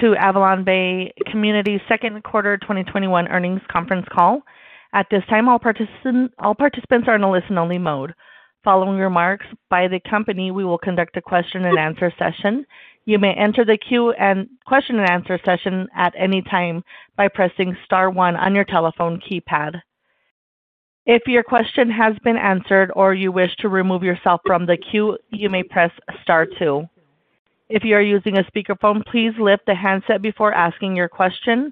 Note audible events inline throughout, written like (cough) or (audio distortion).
To AvalonBay Communities Second Quarter 2021 Earnings Conference Call. At this time, all participants are in a listen only mode. Following remarks by the company, we will conduct a question and answer session. You may enter the queue and question and answer session at any time by pressing star one on your telephone keypad. If your question has been answered or you wish to remove yourself from the queue, you may press star two. If you are using a speakerphone, please lift the handset before asking your question.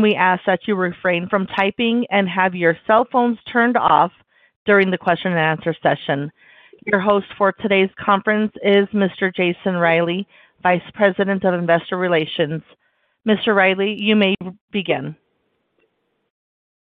We ask that you refrain from typing and have your cell phones turned off during the question and answer session. Your host for today's conference is Mr. Jason Reilley, Vice President of Investor Relations. Mr. Reilley, you may begin.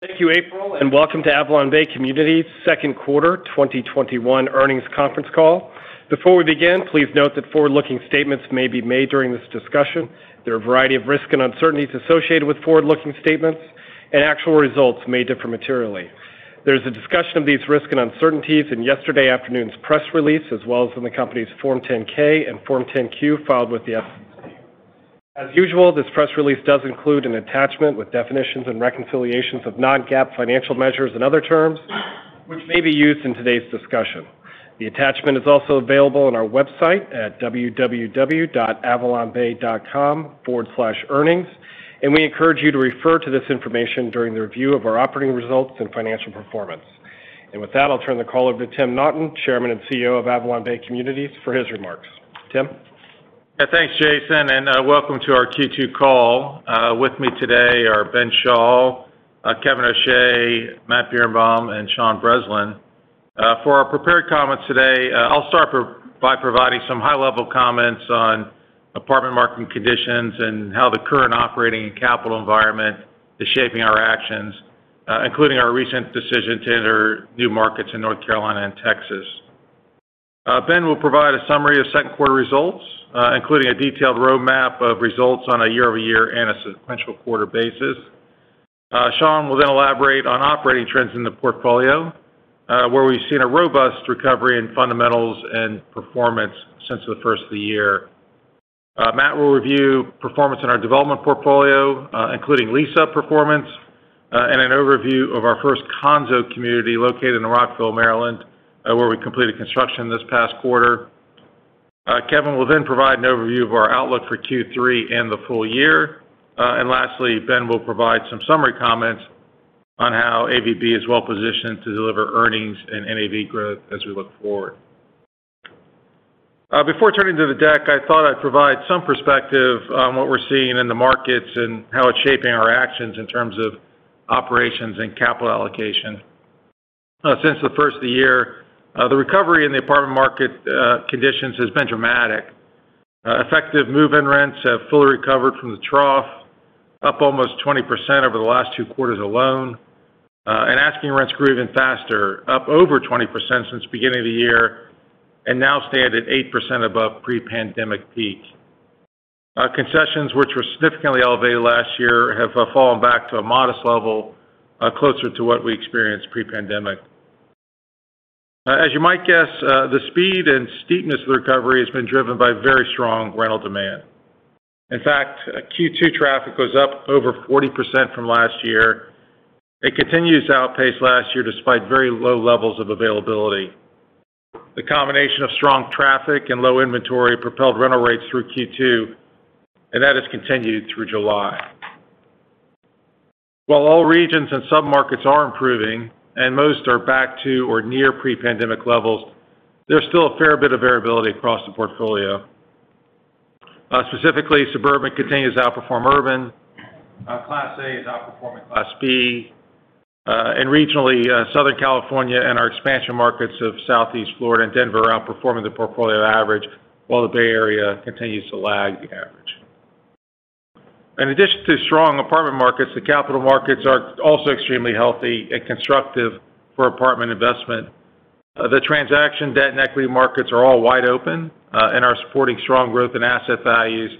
Thank you, April, and welcome to AvalonBay Communities second quarter 2021 earnings conference call. Before we begin, please note that forward-looking statements may be made during this discussion. There are a variety of risks and uncertainties associated with forward-looking statements, and actual results may differ materially. There's a discussion of these risks and uncertainties in yesterday afternoon's press release, as well as in the company's Form 10-K and Form 10-Q filed with the SEC. As usual, this press release does include an attachment with definitions and reconciliations of non-GAAP financial measures and other terms, which may be used in today's discussion. The attachment is also available on our website at www.avalonbay.com/earnings, and we encourage you to refer to this information during the review of our operating results and financial performance. With that, I'll turn the call over to Tim Naughton, Chairman and CEO of AvalonBay Communities, for his remarks. Tim? Thanks, Jason. Welcome to our Q2 call. With me today are Ben Schall, Kevin O'Shea, Matt Birenbaum, and Sean Breslin. For our prepared comments today, I'll start by providing some high-level comments on apartment marketing conditions and how the current operating and capital environment is shaping our actions, including our recent decision to enter new markets in North Carolina and Texas. Ben will provide a summary of second quarter results, including a detailed roadmap of results on a year-over-year and a sequential quarter basis. Sean will then elaborate on operating trends in the portfolio, where we've seen a robust recovery in fundamentals and performance since the first of the year. Matt will review performance in our development portfolio, including lease-up performance and an overview of our first condo community located in Rockville, Maryland, where we completed construction this past quarter. Kevin will then provide an overview of our outlook for Q3 and the full year. Lastly, Ben will provide some summary comments on how AVB is well-positioned to deliver earnings and NAV growth as we look forward. Before turning to the deck, I thought I'd provide some perspective on what we're seeing in the markets and how it's shaping our actions in terms of operations and capital allocation. Since the first of the year, the recovery in the apartment market conditions has been dramatic. Effective move-in rents have fully recovered from the trough, up almost 20% over the last two quarters alone. Asking rents grew even faster, up over 20% since the beginning of the year, and now stand at 8% above pre-pandemic peak. Concessions, which were significantly elevated last year, have fallen back to a modest level, closer to what we experienced pre-pandemic. As you might guess, the speed and steepness of the recovery has been driven by very strong rental demand. In fact, Q2 traffic was up over 40% from last year. It continues to outpace last year despite very low levels of availability. The combination of strong traffic and low inventory propelled rental rates through Q2, and that has continued through July. While all regions and submarkets are improving, and most are back to or near pre-pandemic levels, there's still a fair bit of variability across the portfolio. Specifically, suburban continues to outperform urban, Class A is outperforming Class B. Regionally, Southern California and our expansion markets of Southeast Florida and Denver are outperforming the portfolio average, while the Bay Area continues to lag the average. In addition to strong apartment markets, the capital markets are also extremely healthy and constructive for apartment investment. The transaction debt and equity markets are all wide open and are supporting strong growth in asset values.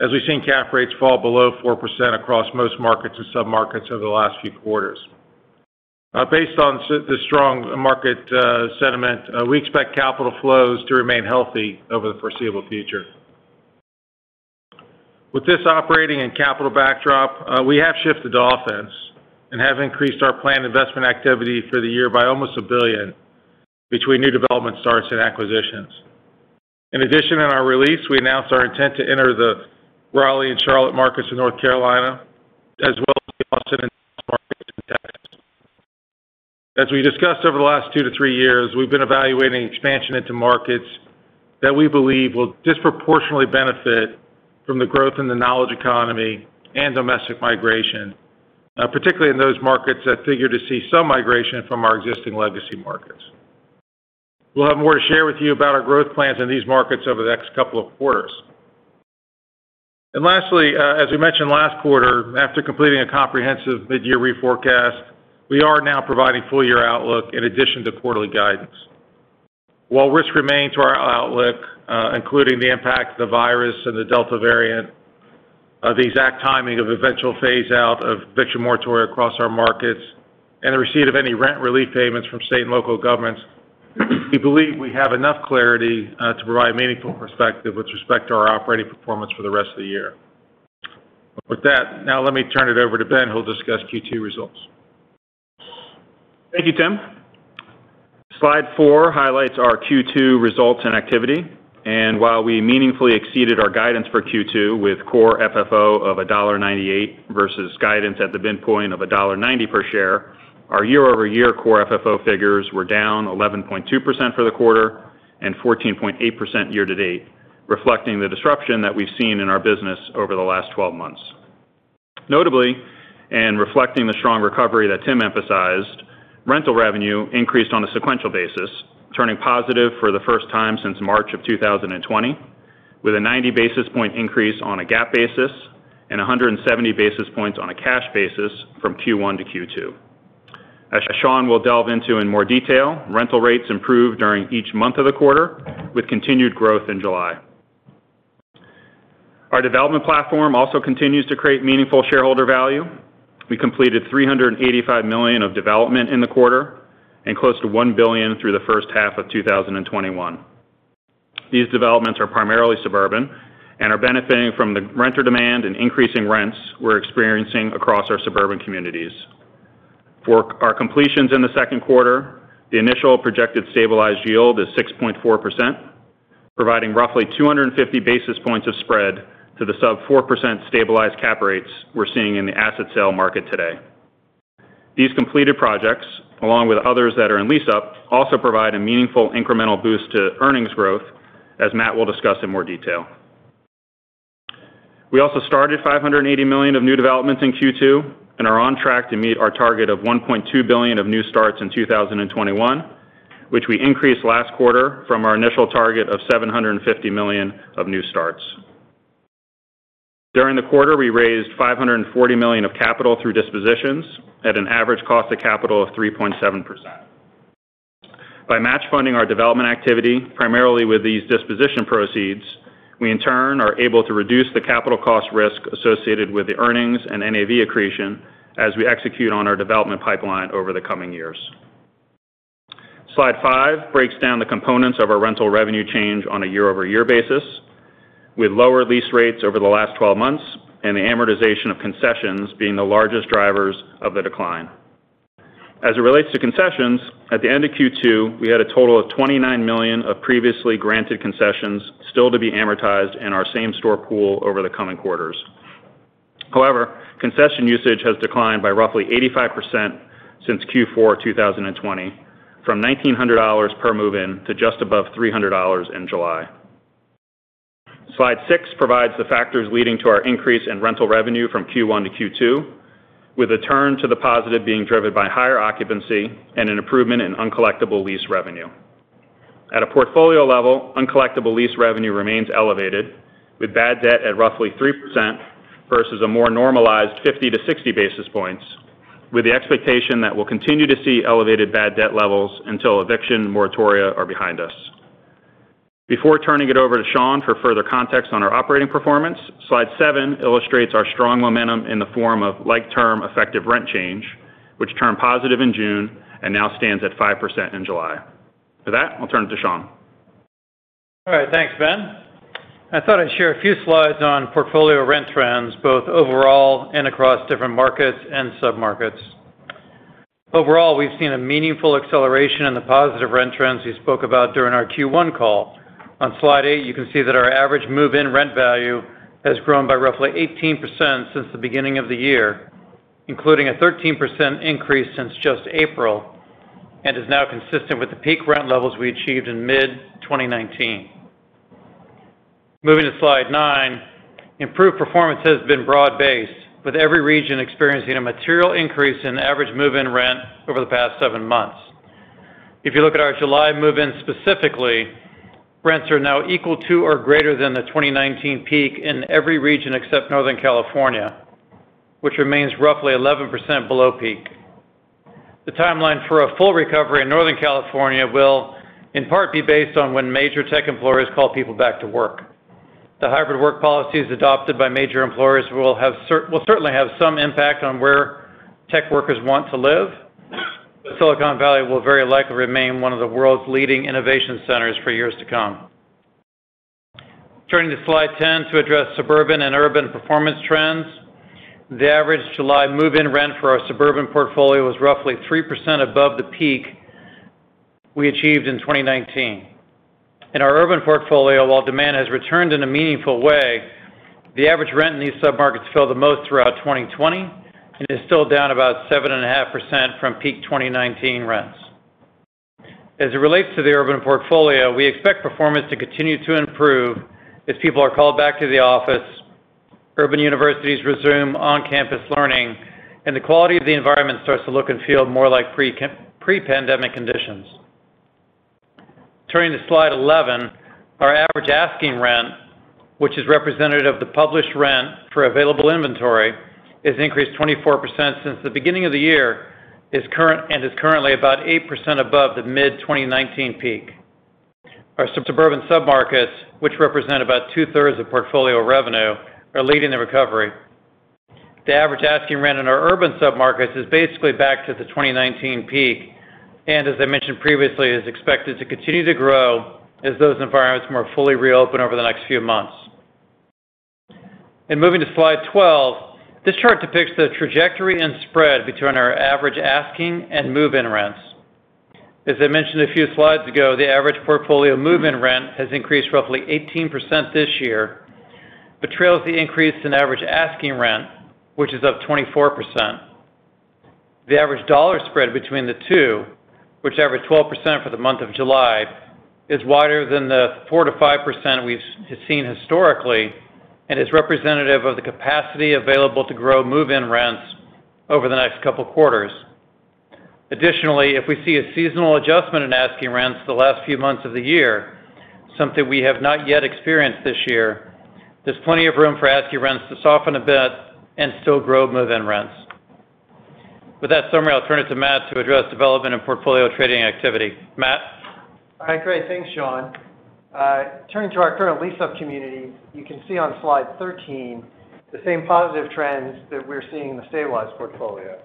As we've seen, cap rates fall below 4% across most markets and submarkets over the last few quarters. Based on the strong market sentiment, we expect capital flows to remain healthy over the foreseeable future. With this operating and capital backdrop, we have shifted offense and have increased our planned investment activity for the year by almost $1 billion between new development starts and acquisitions. In addition, in our release, we announced our intent to enter the Raleigh and Charlotte markets in North Carolina, as well as the Austin. (audio distortion) As we discussed over the last two to three years, we've been evaluating expansion into markets that we believe will disproportionately benefit from the growth in the knowledge economy and domestic migration, particularly in those markets that figure to see some migration from our existing legacy markets. We'll have more to share with you about our growth plans in these markets over the next couple of quarters. Lastly, as we mentioned last quarter, after completing a comprehensive mid-year reforecast, we are now providing full-year outlook in addition to quarterly guidance. While risks remain to our outlook, including the impact of the virus and the Delta variant, the exact timing of eventual phase-out of eviction moratoria across our markets, and the receipt of any rent relief payments from state and local governments. We believe we have enough clarity to provide meaningful perspective with respect to our operating performance for the rest of the year. With that, now let me turn it over to Ben, who'll discuss Q2 results. Thank you, Tim. Slide four highlights our Q2 results and activity. While we meaningfully exceeded our guidance for Q2 with Core FFO of $1.98 versus guidance at the midpoint of $1.90 per share, our year-over-year Core FFO figures were down 11.2% for the quarter and 14.8% year to date, reflecting the disruption that we've seen in our business over the last 12 months. Notably, reflecting the strong recovery that Tim emphasized, rental revenue increased on a sequential basis, turning positive for the first time since March of 2020, with a 90 basis point increase on a GAAP basis and 170 basis points on a cash basis from Q1 to Q2. As Sean will delve into in more detail, rental rates improved during each month of the quarter, with continued growth in July. Our development platform also continues to create meaningful shareholder value. We completed $385 million of development in the quarter and close to $1 billion through the first half of 2021. These developments are primarily suburban and are benefiting from the renter demand and increasing rents we're experiencing across our suburban communities. For our completions in the second quarter, the initial projected stabilized yield is 6.4%, providing roughly 250 basis points of spread to the sub 4% stabilized cap rates we're seeing in the asset sale market today. These completed projects, along with others that are in lease-up, also provide a meaningful incremental boost to earnings growth, as Matt will discuss in more detail. We also started $580 million of new developments in Q2 and are on track to meet our target of $1.2 billion of new starts in 2021, which we increased last quarter from our initial target of $750 million of new starts. During the quarter, we raised $540 million of capital through dispositions at an average cost of capital of 3.7%. By match funding our development activity primarily with these disposition proceeds, we in turn are able to reduce the capital cost risk associated with the earnings and NAV accretion as we execute on our development pipeline over the coming years. Slide five breaks down the components of our rental revenue change on a year-over-year basis, with lower lease rates over the last 12 months and the amortization of concessions being the largest drivers of the decline. As it relates to concessions, at the end of Q2, we had a total of $29 million of previously granted concessions still to be amortized in our same-store pool over the coming quarters. However, concession usage has declined by roughly 85% since Q4 2020, from $1,900 per move-in to just above $300 in July. Slide six provides the factors leading to our increase in rental revenue from Q1 to Q2, with a turn to the positive being driven by higher occupancy and an improvement in uncollectible lease revenue. At a portfolio level, uncollectible lease revenue remains elevated, with bad debt at roughly 3% versus a more normalized 50-60 basis points, with the expectation that we'll continue to see elevated bad debt levels until eviction moratoria are behind us. Before turning it over to Sean for further context on our operating performance, slide seven illustrates our strong momentum in the form of like-term effective rent change, which turned positive in June and now stands at 5% in July. For that, I'll turn it to Sean. All right. Thanks, Ben. I thought I'd share a few slides on portfolio rent trends, both overall and across different markets and sub-markets. Overall, we've seen a meaningful acceleration in the positive rent trends we spoke about during our Q1 call. On slide eight, you can see that our average move-in rent value has grown by roughly 18% since the beginning of the year, including a 13% increase since just April, and is now consistent with the peak rent levels we achieved in mid-2019. Moving to slide nine, improved performance has been broad-based, with every region experiencing a material increase in average move-in rent over the past seven months. If you look at our July move-in specifically, rents are now equal to or greater than the 2019 peak in every region except Northern California, which remains roughly 11% below peak. The timeline for a full recovery in Northern California will in part be based on when major tech employers call people back to work. The hybrid work policies adopted by major employers will certainly have some impact on where tech workers want to live, Silicon Valley will very likely remain one of the world's leading innovation centers for years to come. Turning to slide 10 to address suburban and urban performance trends, the average July move-in rent for our suburban portfolio was roughly 3% above the peak we achieved in 2019. In our urban portfolio, while demand has returned in a meaningful way, the average rent in these sub-markets fell the most throughout 2020 and is still down about 7.5% from peak 2019 rents. As it relates to the urban portfolio, we expect performance to continue to improve as people are called back to the office, urban universities resume on-campus learning, and the quality of the environment starts to look and feel more like pre-pandemic conditions. Turning to slide 11, our average asking rent, which is representative of the published rent for available inventory, has increased 24% since the beginning of the year and is currently about 8% above the mid-2019 peak. Our suburban sub-markets, which represent about 2/3 of portfolio revenue, are leading the recovery. The average asking rent in our urban sub-markets is basically back to the 2019 peak, as I mentioned previously, is expected to continue to grow as those environments more fully reopen over the next few months. Moving to slide 12, this chart depicts the trajectory and spread between our average asking and move-in rents. As I mentioned a few slides ago, the average portfolio move-in rent has increased roughly 18% this year, but trails the increase in average asking rent, which is up 24%. The average dollar spread between the two, which averaged 12% for the month of July, is wider than the 4%-5% we've seen historically, and is representative of the capacity available to grow move-in rents over the next couple of quarters. Additionally, if we see a seasonal adjustment in asking rents the last few months of the year, something we have not yet experienced this year, there's plenty of room for asking rents to soften a bit and still grow move-in rents. With that summary, I'll turn it to Matt to address development and portfolio trading activity. Matt? All right, great. Thanks, Sean. Turning to our current lease-up community, you can see on slide 13 the same positive trends that we're seeing in the stabilized portfolio.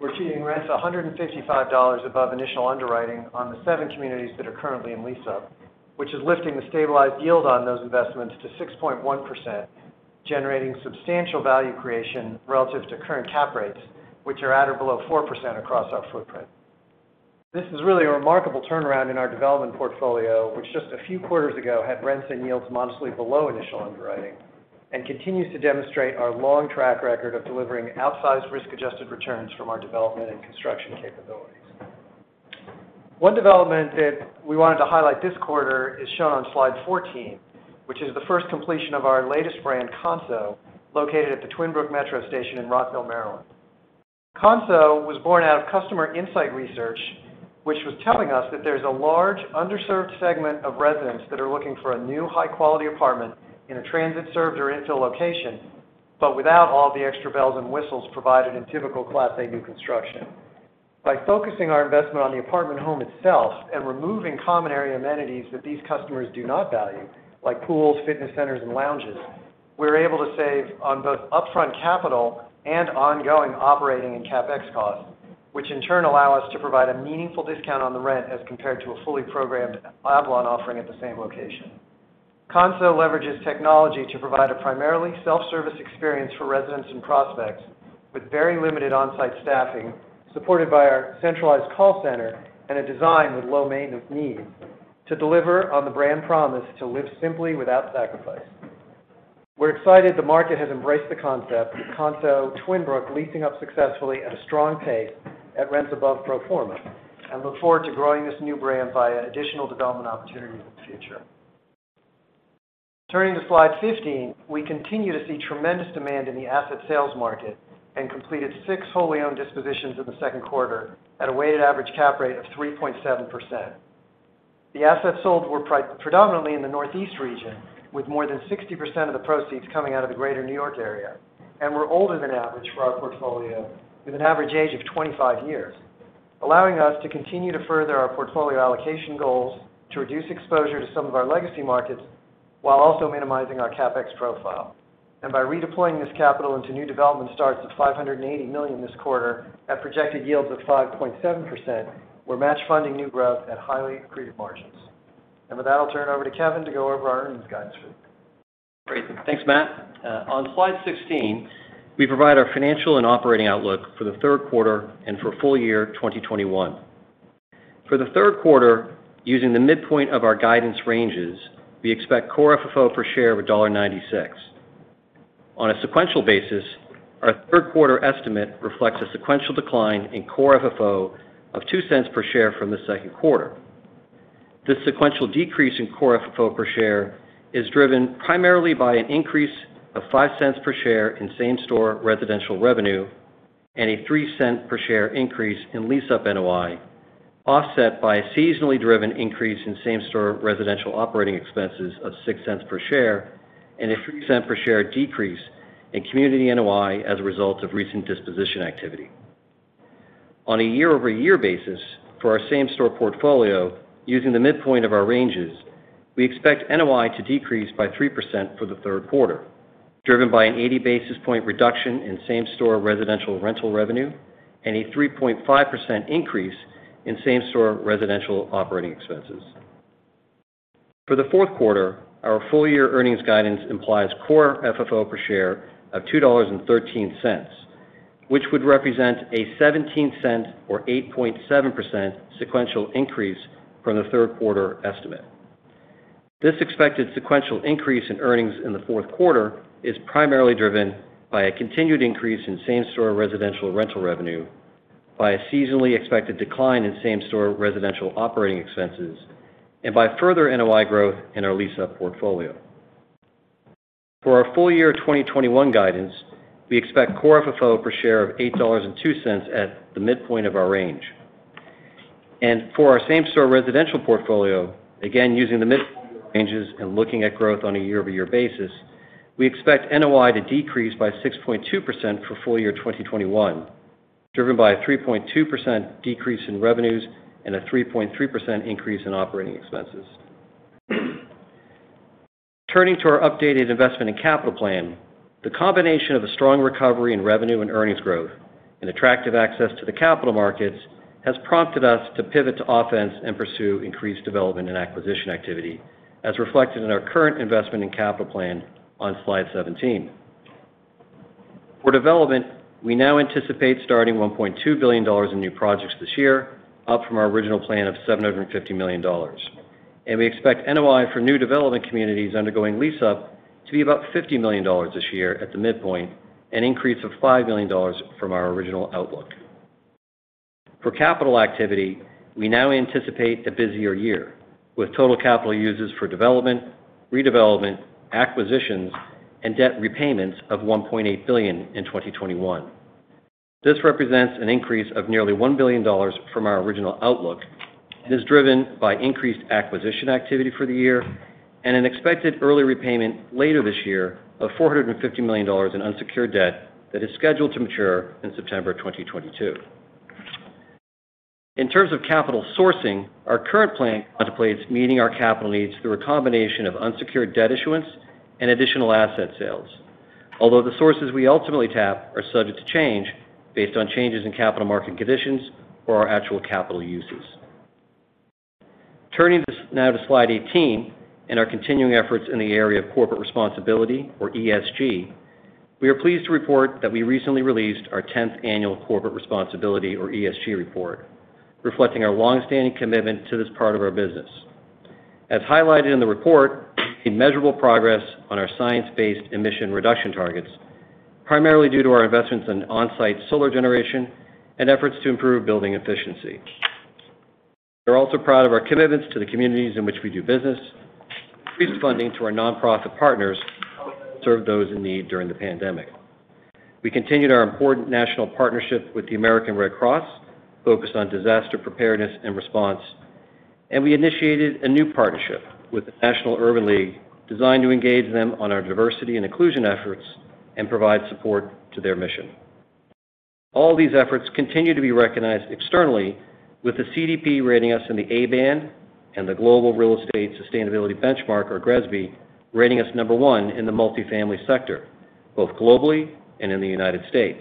We're seeing rents $155 above initial underwriting on the seven communities that are currently in lease up, which is lifting the stabilized yield on those investments to 6.1%, generating substantial value creation relative to current cap rates, which are at or below 4% across our footprint. This is really a remarkable turnaround in our development portfolio, which just a few quarters ago had rents and yields modestly below initial underwriting and continues to demonstrate our long track record of delivering outsized risk-adjusted returns from our development and construction capabilities. One development that we wanted to highlight this quarter is shown on slide 14, which is the first completion of our latest brand, Kanso, located at the Twinbrook Metro Station in Rockville, Maryland. Kanso was born out of customer insight research, which was telling us that there's a large underserved segment of residents that are looking for a new high-quality apartment in a transit-served or infill location, but without all the extra bells and whistles provided in typical Class A new construction. By focusing our investment on the apartment home itself and removing common area amenities that these customers do not value, like pools, fitness centers, and lounges, we're able to save on both upfront capital and ongoing operating and CapEx costs, which in turn allow us to provide a meaningful discount on the rent as compared to a fully programmed Avalon offering at the same location. Kanso leverages technology to provide a primarily self-service experience for residents and prospects with very limited on-site staffing, supported by our centralized call center and a design with low maintenance needs to deliver on the brand promise to live simply without sacrifice. We're excited the market has embraced the concept with Kanso Twinbrook leasing up successfully at a strong pace at rents above pro forma, and look forward to growing this new brand via additional development opportunities in the future. Turning to slide 15, we continue to see tremendous demand in the asset sales market and completed six wholly owned dispositions in the second quarter at a weighted average cap rate of 3.7%. The assets sold were predominantly in the Northeast region, with more than 60% of the proceeds coming out of the greater New York area, and were older than average for our portfolio, with an average age of 25 years, allowing us to continue to further our portfolio allocation goals to reduce exposure to some of our legacy markets while also minimizing our CapEx profile. By redeploying this capital into new development starts of $580 million this quarter at projected yields of 5.7%, we're match funding new growth at highly accretive margins. With that, I'll turn it over to Kevin to go over our earnings guidance. (audio distortion) Great. Thanks, Matt. On slide 16, we provide our financial and operating outlook for the third quarter and for full year 2021. For the third quarter, using the midpoint of our guidance ranges, we expect Core FFO per share of $1.96. On a sequential basis, our third quarter estimate reflects a sequential decline in Core FFO of $0.02 per share from the second quarter. This sequential decrease in Core FFO per share is driven primarily by an increase of $0.05 per share in same-store residential revenue and a $0.03 per share increase in lease-up NOI, offset by a seasonally driven increase in same-store residential operating expenses of $0.06 per share and a $0.03 per share decrease in community NOI as a result of recent disposition activity. On a year-over-year basis for our same-store portfolio, using the midpoint of our ranges, we expect NOI to decrease by 3% for the third quarter, driven by an 80-basis point reduction in same-store residential rental revenue and a 3.5% increase in same-store residential operating expenses. For the fourth quarter, our full year earnings guidance implies Core FFO per share of $2.13, which would represent a $0.17 or 8.7% sequential increase from the third quarter estimate. This expected sequential increase in earnings in the fourth quarter is primarily driven by a continued increase in same-store residential rental revenue by a seasonally expected decline in same-store residential operating expenses and by further NOI growth in our lease-up portfolio. For our full year 2021 guidance, we expect Core FFO per share of $8.02 at the midpoint of our range. For our same-store residential portfolio, again, using the midpoint of the ranges and looking at growth on a year-over-year basis, we expect NOI to decrease by 6.2% for full year 2021, driven by a 3.2% decrease in revenues and a 3.3% increase in operating expenses. Turning to our updated investment in capital plan, the combination of a strong recovery in revenue and earnings growth and attractive access to the capital markets has prompted us to pivot to offense and pursue increased development and acquisition activity, as reflected in our current investment in capital plan on slide 17. For development, we now anticipate starting $1.2 billion in new projects this year, up from our original plan of $750 million. We expect NOI for new development communities undergoing lease up to be about $50 million this year at the midpoint, an increase of $5 million from our original outlook. For capital activity, we now anticipate a busier year with total capital uses for development, redevelopment, acquisitions, and debt repayments of $1.8 billion in 2021. This represents an increase of nearly $1 billion from our original outlook and is driven by increased acquisition activity for the year and an expected early repayment later this year of $450 million in unsecured debt that is scheduled to mature in September 2022. In terms of capital sourcing, our current plan contemplates meeting our capital needs through a combination of unsecured debt issuance and additional asset sales. Although the sources we ultimately tap are subject to change based on changes in capital market conditions or our actual capital uses. Turning now to slide 18 and our continuing efforts in the area of corporate responsibility or ESG, we are pleased to report that we recently released our 10th annual corporate responsibility or ESG report, reflecting our longstanding commitment to this part of our business. As highlighted in the report, a measurable progress on our science-based emission reduction targets, primarily due to our investments in on-site solar generation and efforts to improve building efficiency. We're also proud of our commitments to the communities in which we do business. Increased funding to our nonprofit partners to serve those in need during the pandemic. We continued our important national partnership with the American Red Cross, focused on disaster preparedness and response, and we initiated a new partnership with the National Urban League designed to engage them on our diversity and inclusion efforts and provide support to their mission. All these efforts continue to be recognized externally with the CDP rating us in the A band and the Global Real Estate Sustainability Benchmark, or GRESB, rating us number one in the multifamily sector, both globally and in the United States.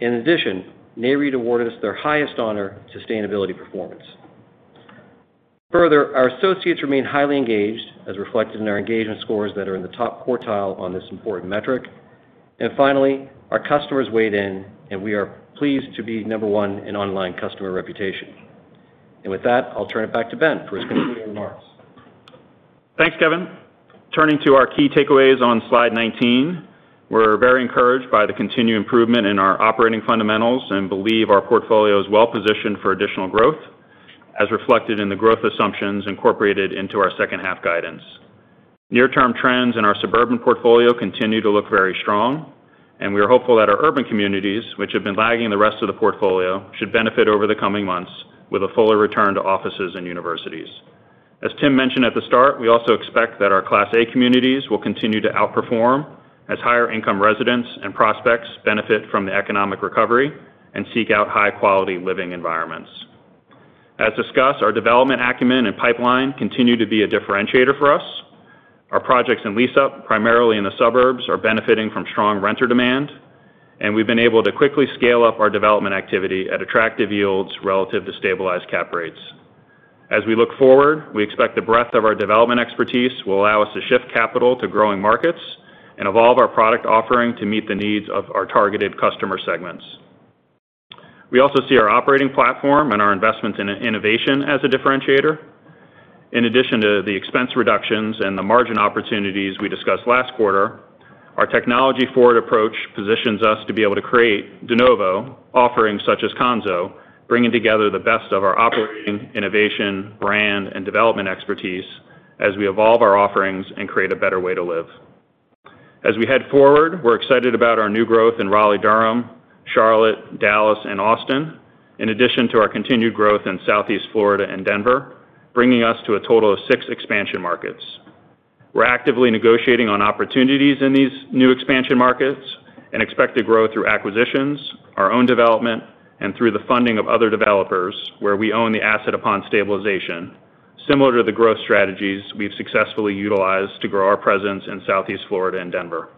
In addition, NAREIT awarded us their highest honor, Sustainability Performance. Further, our associates remain highly engaged, as reflected in our engagement scores that are in the top quartile on this important metric. Finally, our customers weighed in, and we are pleased to be number one in online customer reputation. With that, I'll turn it back to Ben for his concluding remarks. Thanks, Kevin. Turning to our key takeaways on slide 19. We're very encouraged by the continued improvement in our operating fundamentals and believe our portfolio is well positioned for additional growth, as reflected in the growth assumptions incorporated into our second half guidance. Near-term trends in our suburban portfolio continue to look very strong. We are hopeful that our urban communities, which have been lagging the rest of the portfolio, should benefit over the coming months with a fuller return to offices and universities. As Tim mentioned at the start, we also expect that our Class A communities will continue to outperform as higher income residents and prospects benefit from the economic recovery and seek out high-quality living environments. As discussed, our development acumen and pipeline continue to be a differentiator for us. Our projects in lease-up, primarily in the suburbs, are benefiting from strong renter demand, and we've been able to quickly scale up our development activity at attractive yields relative to stabilized cap rates. As we look forward, we expect the breadth of our development expertise will allow us to shift capital to growing markets and evolve our product offering to meet the needs of our targeted customer segments. We also see our operating platform and our investments in innovation as a differentiator. In addition to the expense reductions and the margin opportunities we discussed last quarter, our technology-forward approach positions us to be able to create de novo offerings such as Kanso, bringing together the best of our operating, innovation, brand, and development expertise as we evolve our offerings and create a better way to live. As we head forward, we're excited about our new growth in Raleigh-Durham, Charlotte, Dallas, and Austin, in addition to our continued growth in Southeast Florida and Denver, bringing us to a total of six expansion markets. We're actively negotiating on opportunities in these new expansion markets and expect to grow through acquisitions, our own development, and through the funding of other developers, where we own the asset upon stabilization, similar to the growth strategies we've successfully utilized to grow our presence in Southeast Florida and Denver.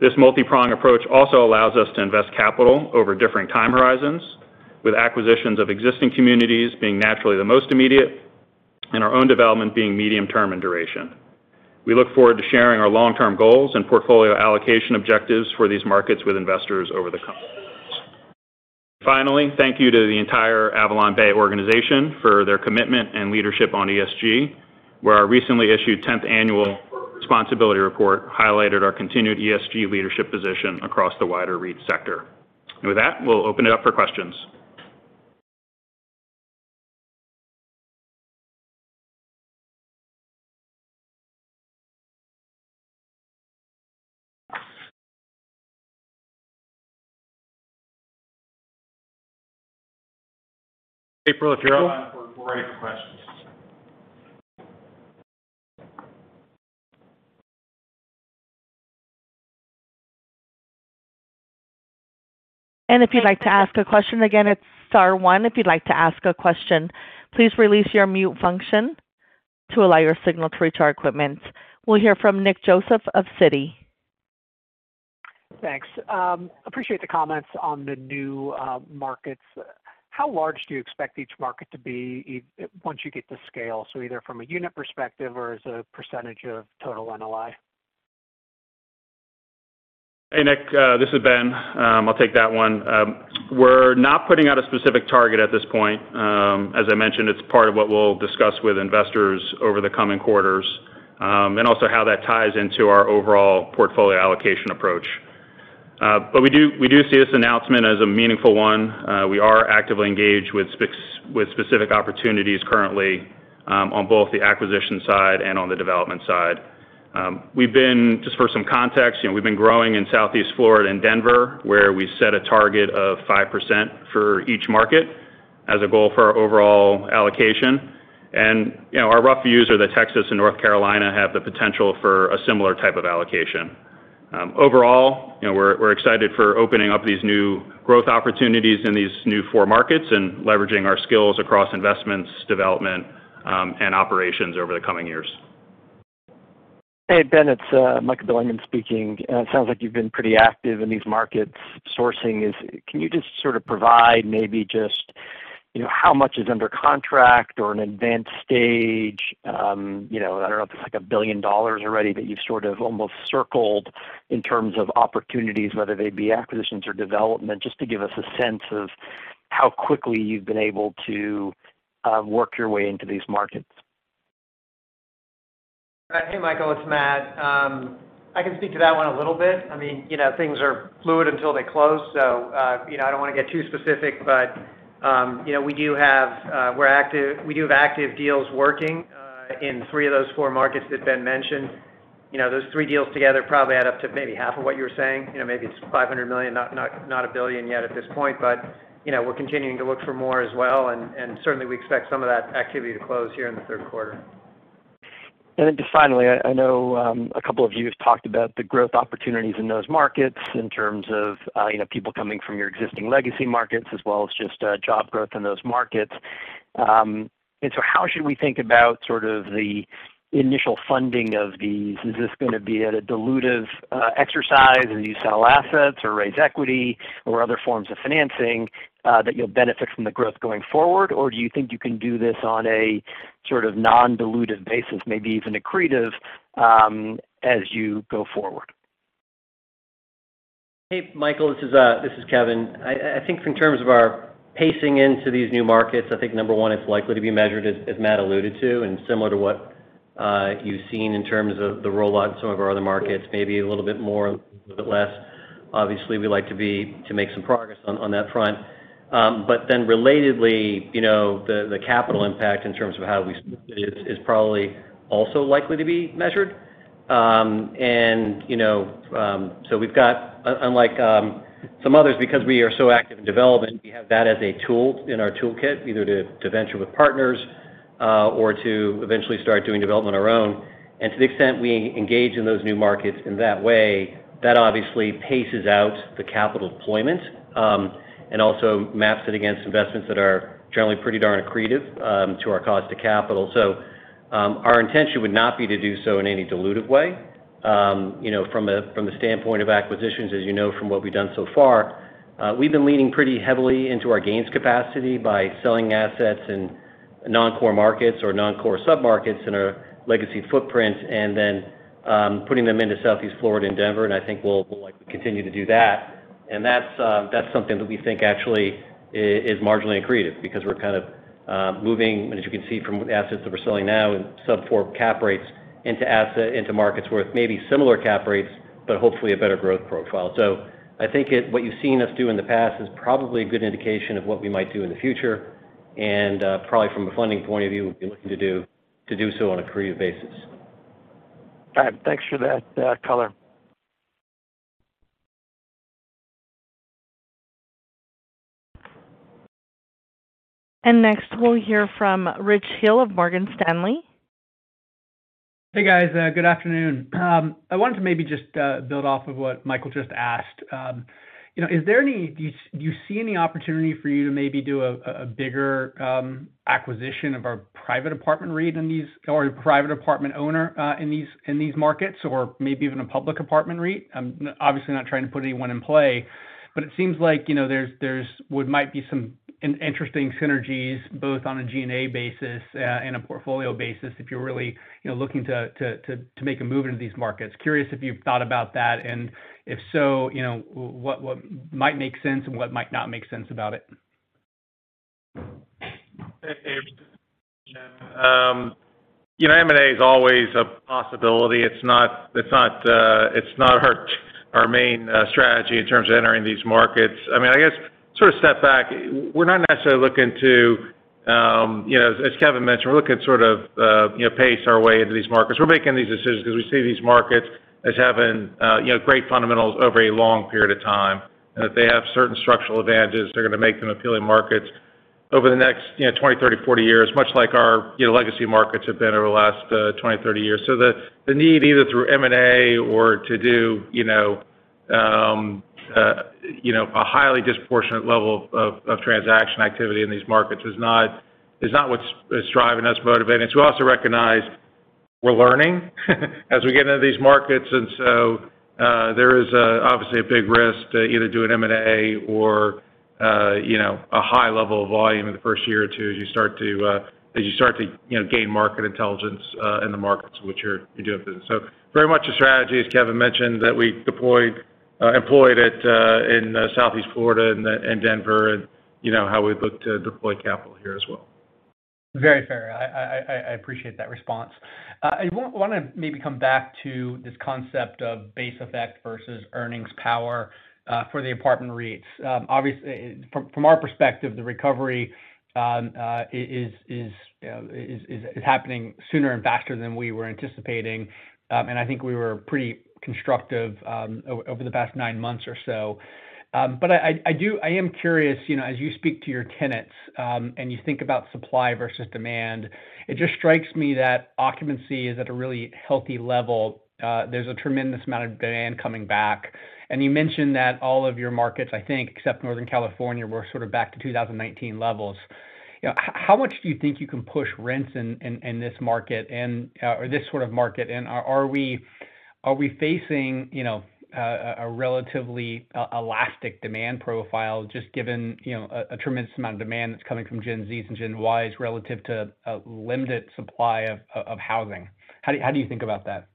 This multi-pronged approach also allows us to invest capital over different time horizons, with acquisitions of existing communities being naturally the most immediate and our own development being medium-term in duration. We look forward to sharing our long-term goals and portfolio allocation objectives for these markets with investors over the coming. (audio distortion) Finally, thank you to the entire AvalonBay organization for their commitment and leadership on ESG, where our recently issued 10th Annual Corporate Responsibility Report highlighted our continued ESG leadership position across the wider REIT sector. With that, we'll open it up for questions. April, if you're on, we're ready for questions. If you'd like to ask a question, again, it's star one. If you'd like to ask a question, please release your mute function to allow your signal through to our equipment. We'll hear from Nick Joseph of Citi. Thanks. Appreciate the comments on the new markets. How large do you expect each market to be once you get to scale? Either from a unit perspective or as a percentage of total NOI. Hey, Nick, this is Ben. I'll take that one. We're not putting out a specific target at this point. As I mentioned, it's part of what we'll discuss with investors over the coming quarters, and also how that ties into our overall portfolio allocation approach. We do see this announcement as a meaningful one. We are actively engaged with specific opportunities currently on both the acquisition side and on the development side. We've been—just for some context, we've been growing in Southeast Florida and Denver, where we set a target of 5% for each market as a goal for our overall allocation. Our rough views are that Texas and North Carolina have the potential for a similar type of allocation. Overall, we're excited for opening up these new growth opportunities in these new four markets and leveraging our skills across investments, development, and operations over the coming years. Hey, Ben, it's Michael Bilerman speaking. It sounds like you've been pretty active in these markets sourcing. Can you just sort of provide maybe just how much is under contract or in advanced stage? I don't know if it's like $1 billion already that you've sort of almost circled in terms of opportunities, whether they be acquisitions or development, just to give us a sense of how quickly you've been able to work your way into these markets. Hey, Michael, it's Matt. I can speak to that one a little bit. Things are fluid until they close. I don't want to get too specific, but we do have active deals working in three of those four markets that Ben mentioned. Those three deals together probably add up to maybe half of what you were saying. Maybe it's $500 million, not $1 billion yet at this point. We're continuing to look for more as well, and certainly we expect some of that activity to close here in the third quarter. Just finally, I know a couple of you have talked about the growth opportunities in those markets in terms of people coming from your existing legacy markets, as well as just job growth in those markets. How should we think about sort of the initial funding of these? Is this going to be at a dilutive exercise, or do you sell assets or raise equity or other forms of financing that you'll benefit from the growth going forward? Or do you think you can do this on a sort of non-dilutive basis, maybe even accretive, as you go forward? Hey, Michael, this is Kevin. I think in terms of our pacing into these new markets, I think number one, it's likely to be measured, as Matt alluded to, and similar to what you've seen in terms of the rollout in some of our other markets, maybe a little bit more, a little bit less. Obviously, we like to make some progress on that front. Relatedly, the capital impact in terms of how we split it is probably also likely to be measured. We've got, unlike some others, because we are so active in development, we have that as a tool in our toolkit, either to venture with partners or to eventually start doing development on our own. To the extent we engage in those new markets in that way, that obviously paces out the capital deployment and also maps it against investments that are generally pretty darn accretive to our cost of capital. Our intention would not be to do so in any dilutive way. From the standpoint of acquisitions, as you know from what we've done so far, we've been leaning pretty heavily into our gains capacity by selling assets in non-core markets or non-core sub-markets in our legacy footprint, and then putting them into Southeast Florida and Denver, and I think we'll likely continue to do that. That's something that we think actually is marginally accretive because we're kind of moving, and as you can see from assets that we're selling now in sub-4% cap rates into markets with maybe similar cap rates, but hopefully a better growth profile. I think what you've seen us do in the past is probably a good indication of what we might do in the future, and probably from a funding point of view, we'll be looking to do so on an accretive basis. All right. Thanks for that color. Next we'll hear from Rich Hill of Morgan Stanley. Hey, guys. Good afternoon. I wanted to maybe just build off of what Michael just asked. Do you see any opportunity for you to maybe do a bigger acquisition of a private apartment REIT or a private apartment owner in these markets, or maybe even a public apartment REIT? I'm obviously not trying to put anyone in play. It seems like there might be some interesting synergies, both on a G&A basis and a portfolio basis, if you're really looking to make a move into these markets. Curious if you've thought about that. If so, what might make sense and what might not make sense about it? Hey. (audio distortion) M&A is always a possibility. It's not our main strategy in terms of entering these markets. I guess sort of step back. We're not necessarily looking to, as Kevin mentioned, we're looking to sort of pace our way into these markets. We're making these decisions because we see these markets as having great fundamentals over a long period of time, and that they have certain structural advantages that are going to make them appealing markets. Over the next 20, 30, 40 years, much like our legacy markets have been over the last 20, 30 years. The need, either through M&A or to do a highly disproportionate level of transaction activity in these markets is not what's driving us, motivating us. We also recognize we're learning as we get into these markets, there is obviously a big risk to either do an M&A or a high level of volume in the first year or two as you start to gain market intelligence in the markets in which you're doing business. Very much a strategy, as Kevin mentioned, that we employed in Southeast Florida and Denver, and how we look to deploy capital here as well. Very fair. I appreciate that response. I want to maybe come back to this concept of base effect versus earnings power for the apartment REITs. Obviously, from our perspective, the recovery is happening sooner and faster than we were anticipating, and I think we were pretty constructive over the past nine months or so. I am curious, as you speak to your tenants and you think about supply versus demand, it just strikes me that occupancy is at a really healthy level. There's a tremendous amount of demand coming back. You mentioned that all of your markets, I think, except Northern California, were sort of back to 2019 levels. How much do you think you can push rents in this sort of market, and are we facing a relatively elastic demand profile, just given a tremendous amount of demand that's coming from Gen Zs and Gen Ys relative to a limited supply of housing? How do you think about that?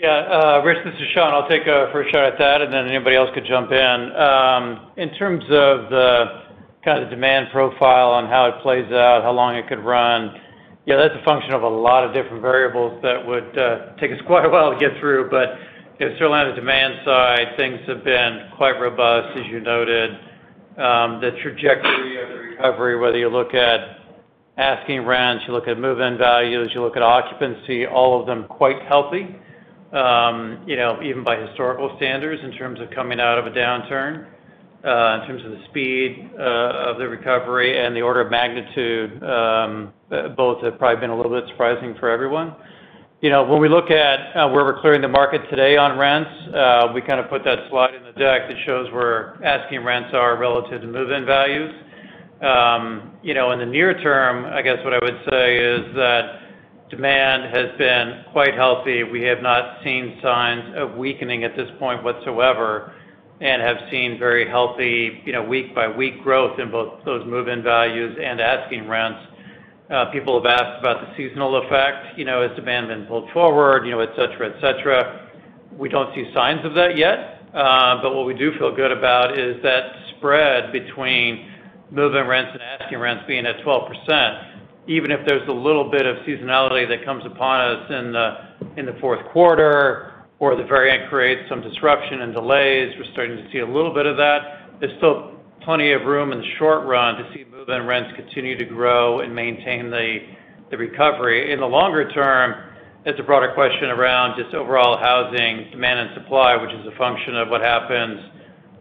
Yeah. Rich, this is Sean. I'll take a first shot at that, and then anybody else could jump in. In terms of the kind of demand profile on how it plays out, how long it could run, that's a function of a lot of different variables that would take us quite a while to get through. Certainly, on the demand side, things have been quite robust, as you noted. The trajectory of the recovery, whether you look at asking rents, you look at move-in values, you look at occupancy, all of them quite healthy even by historical standards in terms of coming out of a downturn. In terms of the speed of the recovery and the order of magnitude, both have probably been a little bit surprising for everyone. When we look at where we're clearing the market today on rents, we kind of put that slide in the deck that shows where asking rents are relative to move-in values. In the near term, I guess what I would say is that demand has been quite healthy. We have not seen signs of weakening at this point whatsoever, and have seen very healthy week-by-week growth in both those move-in values and asking rents. People have asked about the seasonal effect. Has demand been pulled forward, et cetera. We don't see signs of that yet. What we do feel good about is that spread between move-in rents and asking rents being at 12%, even if there's a little bit of seasonality that comes upon us in the fourth quarter or the variant creates some disruption and delays. We're starting to see a little bit of that. There's still plenty of room in the short run to see move-in rents continue to grow and maintain the recovery. In the longer term, it's a broader question around just overall housing demand and supply, which is a function of what happens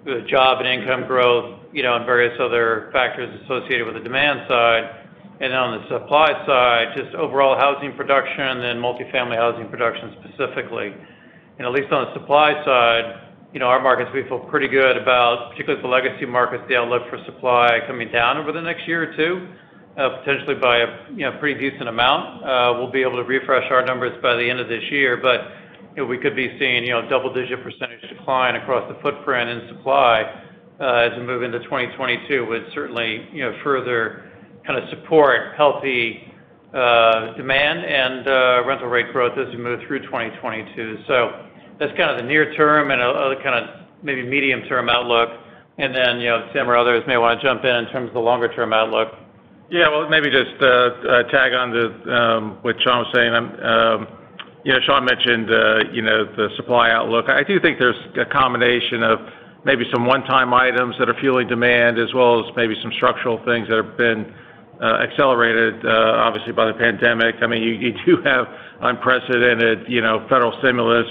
with job and income growth and various other factors associated with the demand side. On the supply side, just overall housing production and then multifamily housing production specifically. At least on the supply side, our markets, we feel pretty good about, particularly with the legacy markets, the outlook for supply coming down over the next year or two potentially by a pretty decent amount. We'll be able to refresh our numbers by the end of this year, but we could be seeing double-digit percentage decline across the footprint in supply as we move into 2022, would certainly further kind of support healthy demand and rental rate growth as we move through 2022. That's kind of the near term and other kind of maybe medium-term outlook. Tim or others may want to jump in terms of the longer-term outlook. Yeah. Well, maybe just to tag on to what Sean was saying. Sean mentioned the supply outlook. I do think there's a combination of maybe some one-time items that are fueling demand, as well as maybe some structural things that have been accelerated, obviously, by the pandemic. You do have unprecedented federal stimulus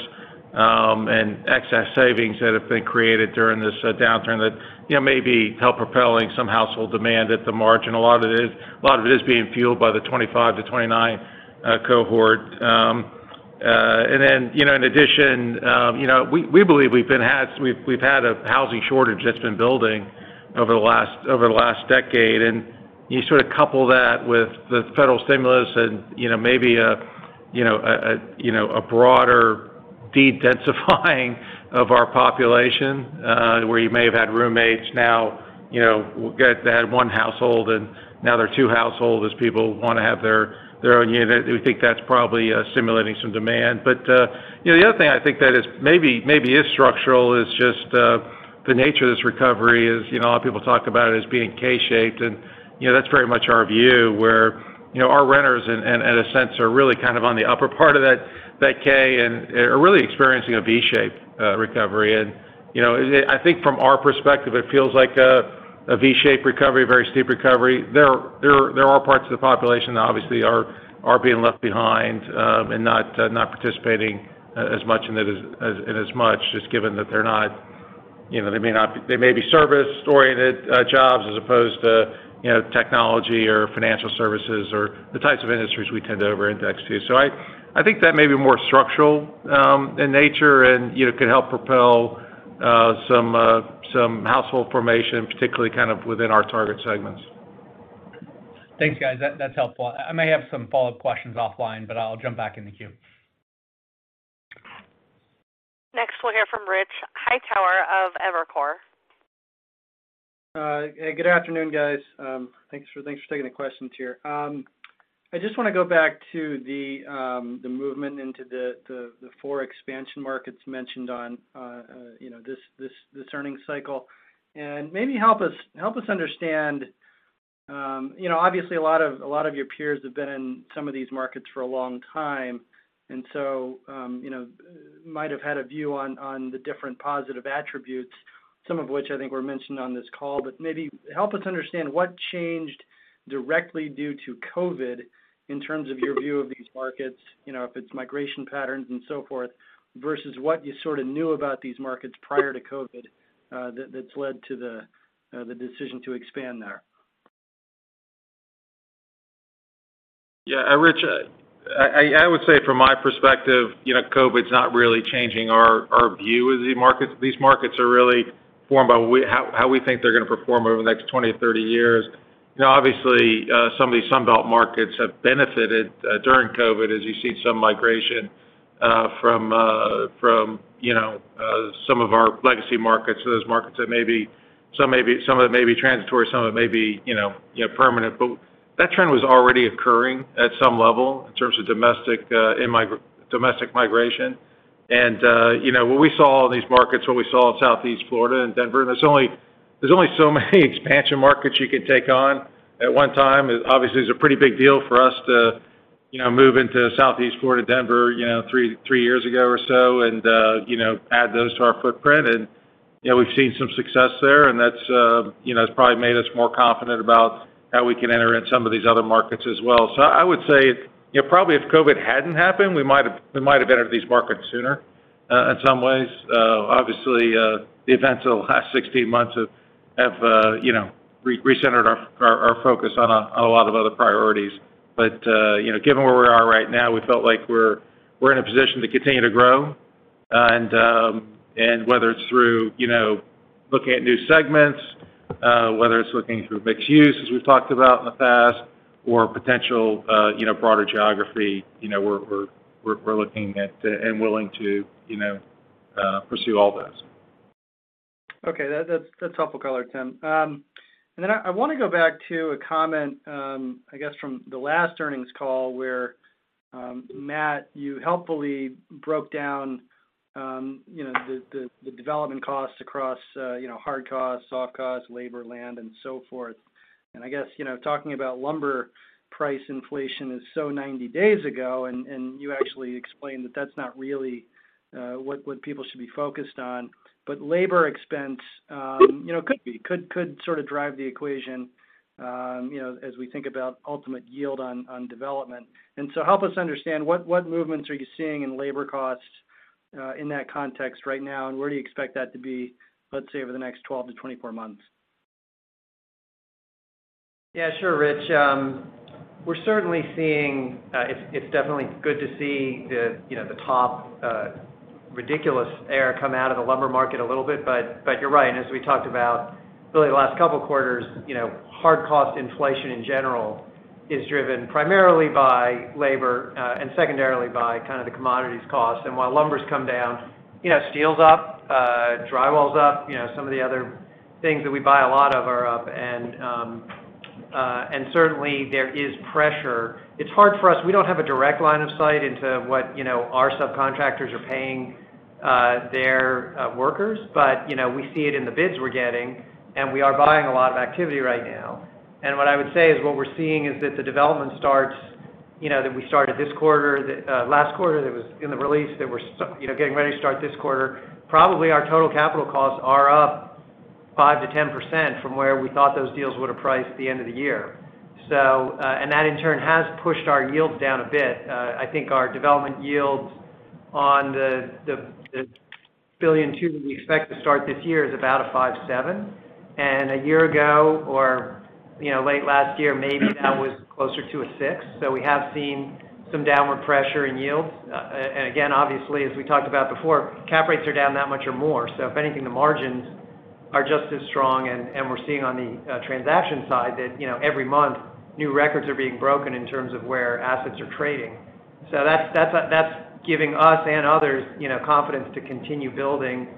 and excess savings that have been created during this downturn that maybe help propelling some household demand at the margin. A lot of it is being fueled by the 25 to 29 cohort. In addition, we believe we've had a housing shortage that's been building over the last decade, and you sort of couple that with the federal stimulus and maybe a broader dedensifying of our population, where you may have had roommates now get that one household, and now they're two households as people want to have their own unit. We think that's probably simulating some demand. The other thing I think that maybe is structural is just the nature of this recovery is a lot of people talk about it as being K-shaped, and that's very much our view, where our renters, in a sense, are really kind of on the upper part of that K and are really experiencing a V-shaped recovery. I think from our perspective, it feels like a V-shaped recovery, a very steep recovery. There are parts of the population that obviously are being left behind and not participating in as much, just given that they may be service-oriented jobs as opposed to technology or financial services or the types of industries we tend to over-index to. I think that may be more structural in nature and could help propel some household formation, particularly within our target segments. Thanks, guys. That's helpful. I may have some follow-up questions offline, but I'll jump back in the queue. Next, we'll hear from Rich Hightower of Evercore. Good afternoon, guys. Thanks for taking the questions here. I just want to go back to the movement into the four expansion markets mentioned on this earnings cycle, and maybe help us understand. Obviously, a lot of your peers have been in some of these markets for a long time, might have had a view on the different positive attributes, some of which I think were mentioned on this call. Maybe help us understand what changed directly due to COVID in terms of your view of these markets, if it's migration patterns and so forth, versus what you sort of knew about these markets prior to COVID that's led to the decision to expand there. Yeah, Rich, I would say from my perspective, COVID's not really changing our view of these markets. These markets are really formed by how we think they're going to perform over the next 20 to 30 years. Obviously, some of these Sun Belt markets have benefited during COVID as you see some migration from some of our legacy markets. Those markets that maybe some of it may be transitory, some of it may be permanent. That trend was already occurring at some level in terms of domestic migration. What we saw in all these markets, what we saw in Southeast Florida and Denver, there's only so many expansion markets you can take on at one time. Obviously, it's a pretty big deal for us to move into Southeast Florida, Denver, three years ago or so, and add those to our footprint. We've seen some success there, and that's probably made us more confident about how we can enter in some of these other markets as well. I would say, probably if COVID hadn't happened, we might have entered these markets sooner in some ways. Obviously, the events of the last 16 months have recentered our focus on a lot of other priorities. Given where we are right now, we felt like we're in a position to continue to grow. Whether it's through looking at new segments, whether it's looking through mixed use as we've talked about in the past or potential broader geography, we're looking at and willing to pursue all those. Okay, that's helpful color, Tim. I want to go back to a comment, I guess from the last earnings call, where Matt, you helpfully broke down the development costs across hard costs, soft costs, labor, land, and so forth. I guess, talking about lumber price inflation is so 90 days ago, and you actually explained that that's not really what people should be focused on. Labor expense could sort of drive the equation as we think about ultimate yield on development. Help us understand what movements are you seeing in labor costs in that context right now, and where do you expect that to be, let's say, over the next 12-24 months? Sure, Rich. It's definitely good to see the top ridiculous air come out of the lumber market a little bit. You're right. As we talked about really the last couple of quarters, hard cost inflation in general is driven primarily by labor and secondarily by kind of the commodities cost. While lumber's come down, steel's up, drywall's up, some of the other things that we buy a lot of are up. Certainly, there is pressure. It's hard for us. We don't have a direct line of sight into what our subcontractors are paying their workers, but we see it in the bids we're getting, and we are buying a lot of activity right now. What I would say is what we're seeing is that the development starts that we started this quarter, last quarter that was in the release that we're getting ready to start this quarter. Probably our total capital costs are up 5%-10% from where we thought those deals would have priced at the end of the year. That in turn, has pushed our yields down a bit. I think our development yields on the [$1.2 billion] that we expect to start this year is about a 5.7%. A year ago, or late last year, maybe that was closer to a 6%. We have seen some downward pressure in yields. Again, obviously, as we talked about before, cap rates are down that much or more. If anything, the margins are just as strong, and we're seeing on the transaction side that every month new records are being broken in terms of where assets are trading. That's giving us and others confidence to continue building,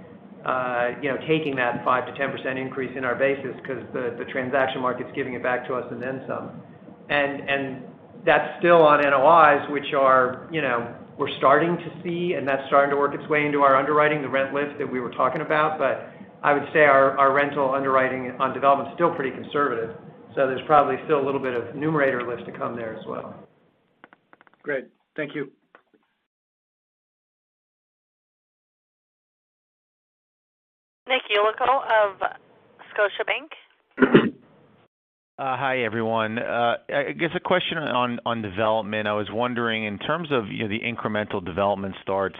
taking that 5%-10% increase in our basis because the transaction market's giving it back to us and then some. That's still on NOIs, which we're starting to see, and that's starting to work its way into our underwriting, the rent lift that we were talking about. I would say our rental underwriting on development is still pretty conservative, so there's probably still a little bit of numerator lift to come there as well. Great. Thank you. Nick Yulico of Scotiabank. Hi, everyone. I guess a question on development. I was wondering, in terms of the incremental development starts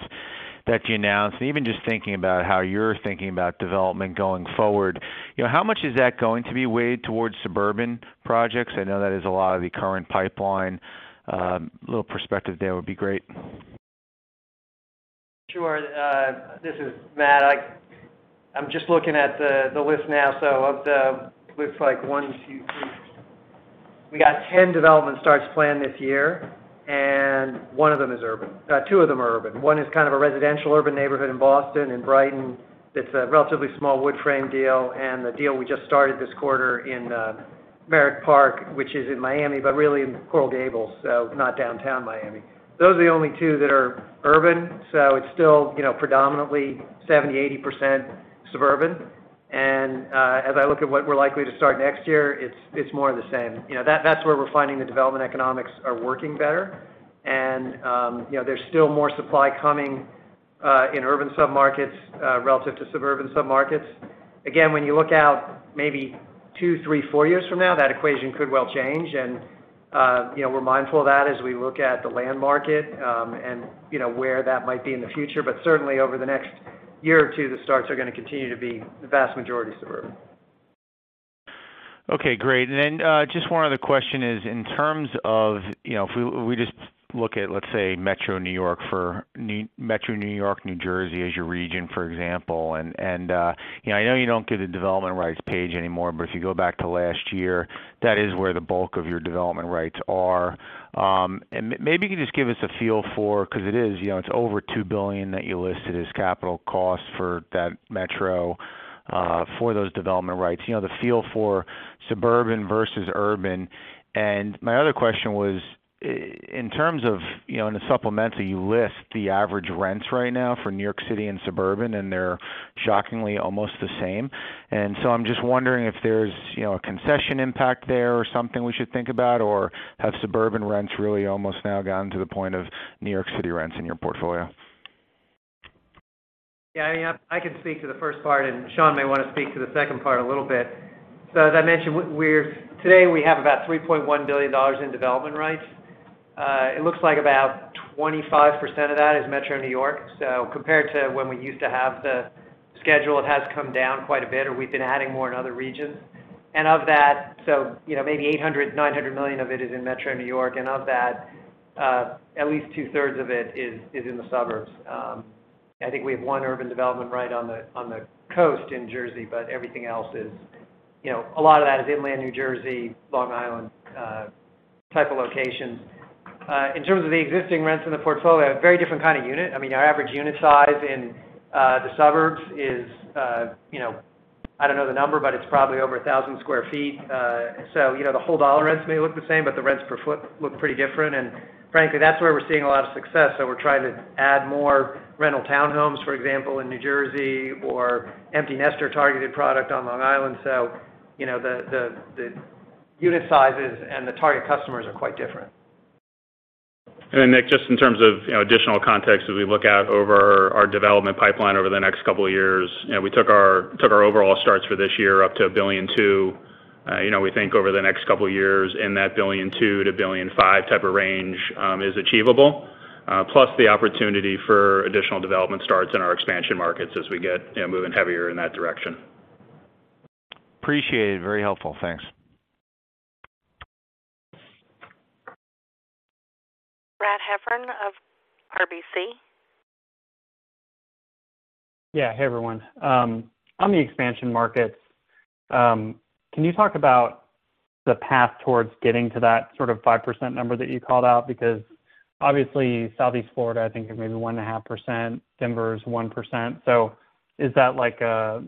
that you announced, even just thinking about how you're thinking about development going forward, how much is that going to be weighed towards suburban projects? I know that is a lot of the current pipeline. A little perspective there would be great. Sure. This is Matt. I'm just looking at the list now. Of the list, we got 10 development starts planned this year, and two of them are urban. One is kind of a residential urban neighborhood in Boston, in Brighton. It's a relatively small wood-frame deal. The deal we just started this quarter in Merrick Park, which is in Miami, but really in Coral Gables, so not downtown Miami. Those are the only two that are urban, so it's still predominantly 70%-80% suburban. As I look at what we're likely to start next year, it's more of the same. That's where we're finding the development economics are working better. There's still more supply coming in urban submarkets relative to suburban submarkets. When you look out maybe two, three, four years from now, that equation could well change, and we're mindful of that as we look at the land market and where that might be in the future. Certainly over the next year or two, the starts are going to continue to be the vast majority suburban. Okay, great. Just one other question is, in terms of if we just look at, let's say, metro New York, New Jersey as your region, for example. I know you don't get a development rights page anymore, but if you go back to last year, that is where the bulk of your development rights are. Maybe you can just give us a feel for, because it is, it's over $2 billion that you listed as capital costs for that metro for those development rights. The feel for suburban versus urban. My other question was, in terms of in the supplemental, you list the average rents right now for New York City and suburban, and they're shockingly almost the same. I'm just wondering if there's a concession impact there or something we should think about, or have suburban rents really almost now gotten to the point of New York City rents in your portfolio? Yeah, I can speak to the first part, and Schall may want to speak to the second part a little bit. As I mentioned, today we have about $3.1 billion in development rights. It looks like about 25% of that is Metro New York. Compared to when we used to have the schedule, it has come down quite a bit, or we've been adding more in other regions. Of that, maybe $800 million-$900 million of it is in Metro New York, and of that, at 2/3 of it is in the suburbs. I think we have one urban development right on the coast in New Jersey, everything else is, a lot of that is inland New Jersey, Long Island type of locations. In terms of the existing rents in the portfolio, a very different kind of unit. Our average unit size in the suburbs is, I don't know the number, but it's probably over 1,000 sq ft. The whole dollar rents may look the same, but the rents per foot look pretty different. Frankly, that's where we're seeing a lot of success. We're trying to add more rental townhomes, for example, in New Jersey, or empty nester-targeted product on Long Island. The unit sizes and the target customers are quite different. Nick, just in terms of additional context as we look out over our development pipeline over the next couple of years, we took our overall starts for this year up to $1.2 billion. We think over the next couple of years in that $1.2 billion-$1.5 billion type of range is achievable. Plus the opportunity for additional development starts in our expansion markets as we get moving heavier in that direction. Appreciate it. Very helpful. Thanks. Brad Heffern of RBC. Yeah. Hey, everyone. On the expansion markets, can you talk about the path towards getting to that sort of 5% number that you called out? Obviously, Southeast Florida, I think is maybe 1.5%, Denver is 1%. Is that like a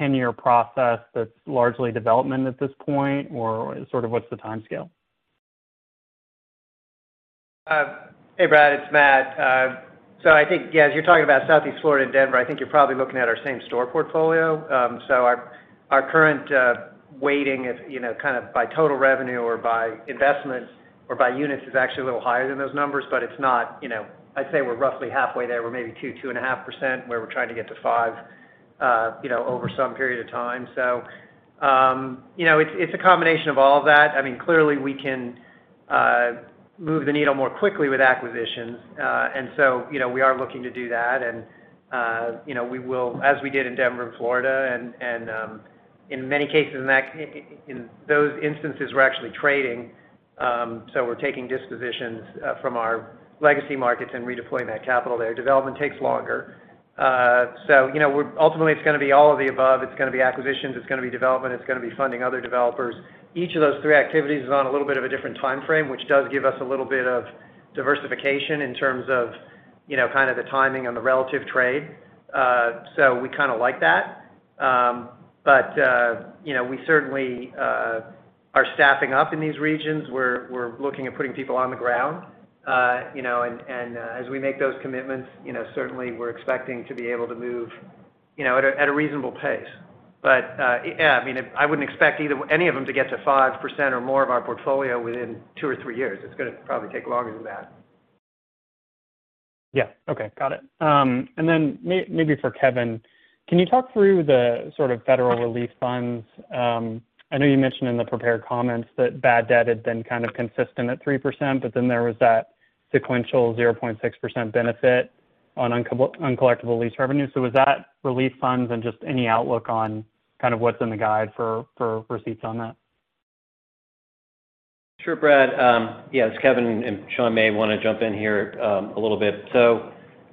10-year process that's largely development at this point, or sort of what's the time scale? Hey, Brad, it's Matt. I think, yeah, as you're talking about Southeast Florida and Denver, I think you're probably looking at our same store portfolio. Our current weighting kind of by total revenue or by investments or by units is actually a little higher than those numbers, but it's not I'd say we're roughly halfway there. We're maybe 2%, 2.5% where we're trying to get to 5% over some period of time. It's a combination of all of that. Clearly, we can move the needle more quickly with acquisitions. We are looking to do that, and we will, as we did in Denver and Florida, and in many cases in those instances, we're actually trading. We're taking dispositions from our legacy markets and redeploying that capital there. Development takes longer. Ultimately, it's going to be all of the above. It's going to be acquisitions, it's going to be development, it's going to be funding other developers. Each of those three activities is on a little bit of a different time frame, which does give us a little bit of diversification in terms of kind of the timing on the relative trade. We kind of like that. We certainly are staffing up in these regions. We're looking at putting people on the ground. As we make those commitments, certainly we're expecting to be able to move at a reasonable pace. Yeah, I wouldn't expect any of them to get to 5% or more of our portfolio within two or three years. It's going to probably take longer than that. Yeah. Okay. Got it. Maybe for Kevin, can you talk through the sort of federal relief funds? I know you mentioned in the prepared comments that bad debt had been kind of consistent at 3%, but then there was that sequential 0.6% benefit on uncollectible lease revenue. Was that relief funds? Just any outlook on kind of what's in the guide for receipts on that? Sure, Brad. Yeah. As Kevin and Sean may want to jump in here a little bit, so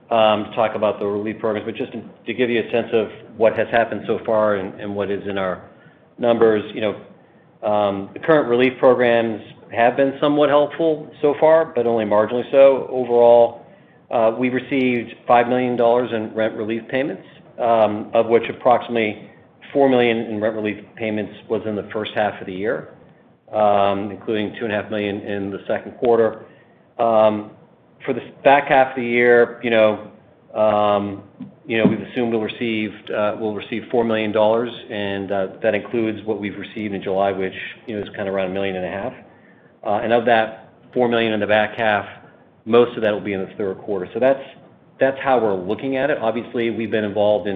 to talk about the relief programs, but just to give you a sense of what has happened so far and what is in our numbers. The current relief programs have been somewhat helpful so far, but only marginally so. Overall, we received $5 million in rent relief payments, of which approximately $4 million in rent relief payments was in the first half of the year, including $2.5 million in the second quarter. For the back half of the year, we've assumed we'll receive $4 million, that includes what we've received in July, which is kind of around $1.5 million. Of that $4 million in the back half, most of that will be in the third quarter. That's how we're looking at it. We've been involved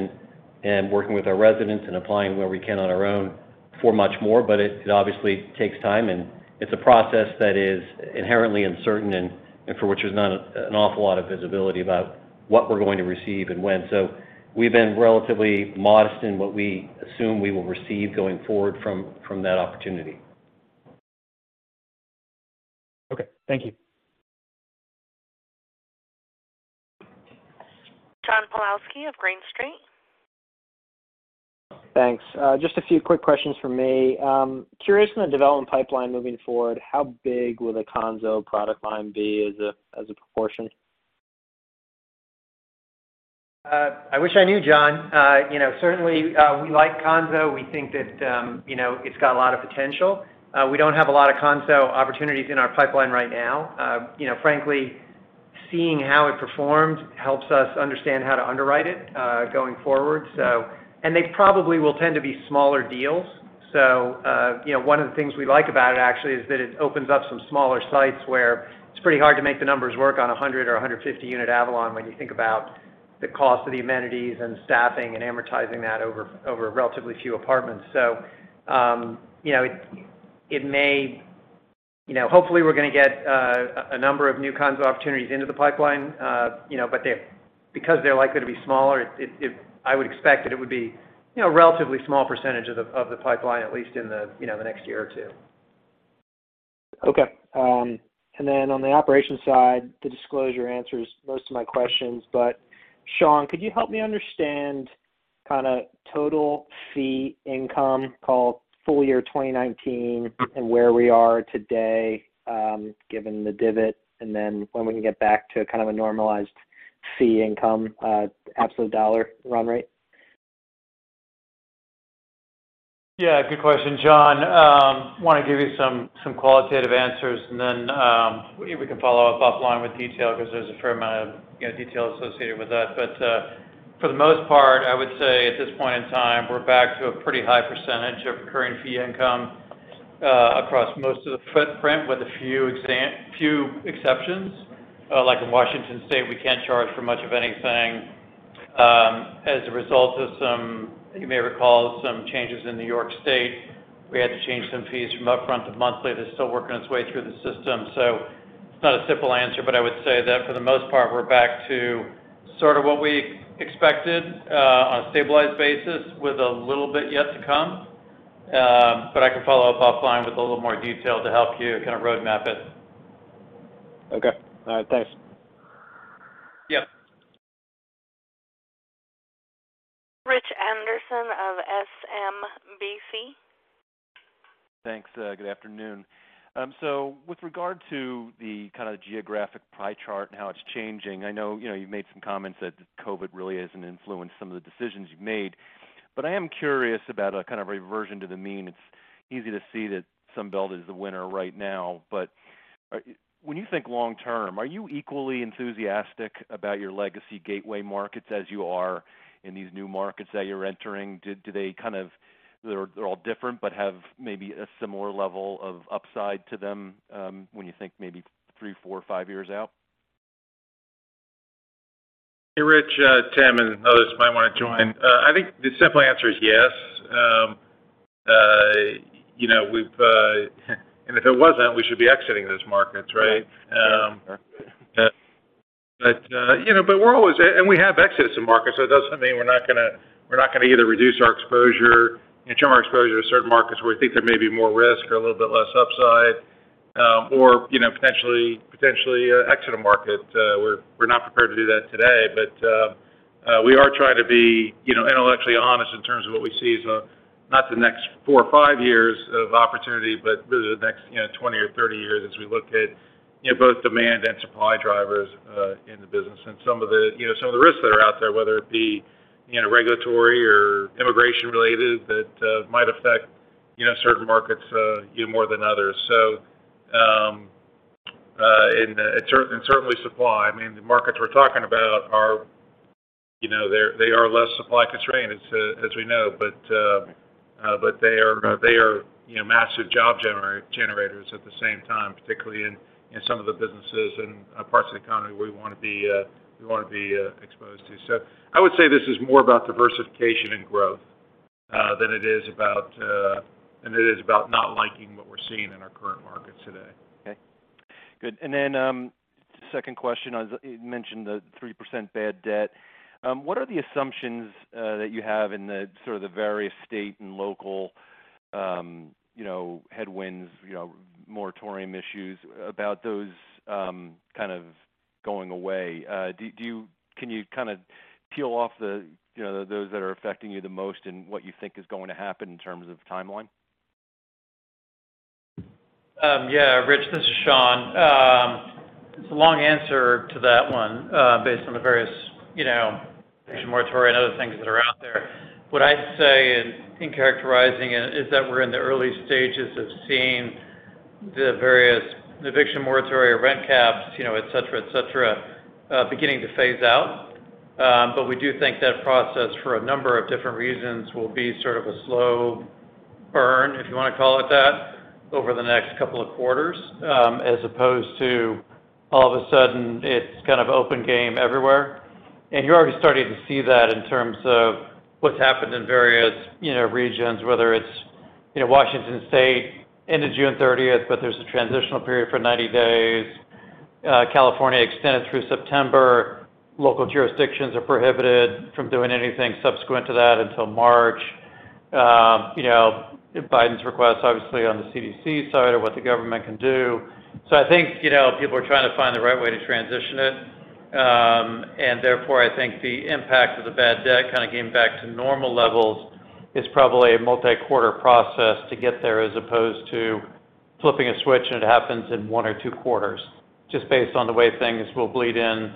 in working with our residents and applying where we can on our own for much more, but it obviously takes time, and it's a process that is inherently uncertain and for which there's not an awful lot of visibility about what we're going to receive and when. We've been relatively modest in what we assume we will receive going forward from that opportunity. Okay. Thank you. John Pawlowski of Green Street. Thanks. Just a few quick questions from me. Curious from the development pipeline moving forward, how big will the Kanso product line be as a proportion? I wish I knew, John. Certainly, we like Kanso. We think that it's got a lot of potential. We don't have a lot of Kanso opportunities in our pipeline right now. Frankly, seeing how it performed helps us understand how to underwrite it going forward. They probably will tend to be smaller deals. One of the things we like about it actually is that it opens up some smaller sites where it's pretty hard to make the numbers work on 100 or 150 unit Avalon when you think about the cost of the amenities and staffing and amortizing that over relatively few apartments. Hopefully, we're going to get a number of new Kanso opportunities into the pipeline. Because they're likely to be smaller, I would expect that it would be a relatively small percentage of the pipeline, at least in the next year or two. Okay. On the operations side, the disclosure answers most of my questions. Sean, could you help me understand kind of total fee income call full year 2019 and where we are today given the divot, and then when we can get back to kind of a normalized fee income, absolute dollar run rate? Good question, John. I want to give you some qualitative answers. Then we can follow up offline with detail because there's a fair amount of detail associated with that. For the most part, I would say at this point in time, we're back to a pretty high percentage of recurring fee income across most of the footprint with a few exceptions. Like in Washington state, we can't charge for much of anything. As a result of some, you may recall, some changes in New York state, we had to change some fees from upfront to monthly. That's still working its way through the system. It's not a simple answer. I would say that for the most part, we're back to sort of what we expected on a stabilized basis with a little bit yet to come. I can follow up offline with a little more detail to help you kind of roadmap it. Okay. All right. Thanks. Yeah. Rich Anderson of SMBC. Thanks. Good afternoon. With regard to the kind of geographic pie chart and how it's changing, I know you've made some comments that COVID really hasn't influenced some of the decisions you've made. I am curious about a kind of reversion to the mean. It's easy to see that Sunbelt is the winner right now. When you think long term, are you equally enthusiastic about your legacy gateway markets as you are in these new markets that you're entering? They're all different, but have maybe a similar level of upside to them when you think maybe three, four, five years out? Hey, Rich. Tim and others might want to join. I think the simple answer is yes. If it wasn't, we should be exiting those markets, right? Right. Sure. We have exits in markets. It doesn't mean we're not going to either reduce our exposure, in terms of our exposure to certain markets where we think there may be more risk or a little bit less upside, or potentially exit a market. We're not prepared to do that today. We are trying to be intellectually honest in terms of what we see as not the next four or five years of opportunity, but really the next 20 or 30 years as we look at both demand and supply drivers in the business and some of the risks that are out there, whether it be regulatory or immigration-related that might affect certain markets more than others. Certainly supply. I mean, the markets we're talking about, they are less supply constrained as we know. They are massive job generators at the same time, particularly in some of the businesses and parts of the economy we want to be exposed to. I would say this is more about diversification and growth than it is about not liking what we're seeing in our current markets today. Okay, good. Second question, you mentioned the 3% bad debt. What are the assumptions that you have in the sort of the various state and local headwinds, moratorium issues about those kind of going away? Can you kind of peel off those that are affecting you the most and what you think is going to happen in terms of timeline? Yeah, Rich, this is Sean. It's a long answer to that one based on the various eviction moratorium and other things that are out there. What I'd say in characterizing it is that we're in the early stages of seeing the various eviction moratorium, rent caps, et cetera, beginning to phase out. We do think that process, for a number of different reasons, will be sort of a slow burn, if you want to call it that, over the next couple of quarters, as opposed to all of a sudden it's kind of open game everywhere. You're already starting to see that in terms of what's happened in various regions, whether it's Washington state ended June 30th, but there's a transitional period for 90 days. California extended through September. Local jurisdictions are prohibited from doing anything subsequent to that until March. Biden's request, obviously, on the CDC side of what the government can do. I think people are trying to find the right way to transition it. Therefore, I think the impact of the bad debt kind of getting back to normal levels is probably a multi-quarter process to get there as opposed to flipping a switch and it happens in one or two quarters, just based on the way things will bleed in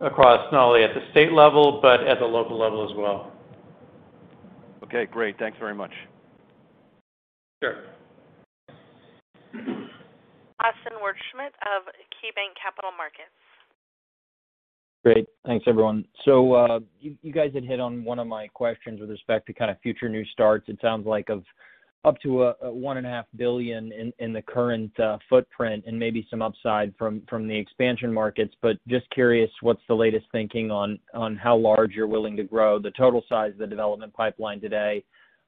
across not only at the state level but at the local level as well. Okay, great. Thanks very much. Sure. Austin Wurschmidt of KeyBanc Capital Markets. Great. Thanks, everyone. You guys had hit on one of my questions with respect to kind of future new starts. It sounds like of up to a $1.5 billion in the current footprint and maybe some upside from the expansion markets, just curious, what's the latest thinking on how large you're willing to grow the total size of the development pipeline today?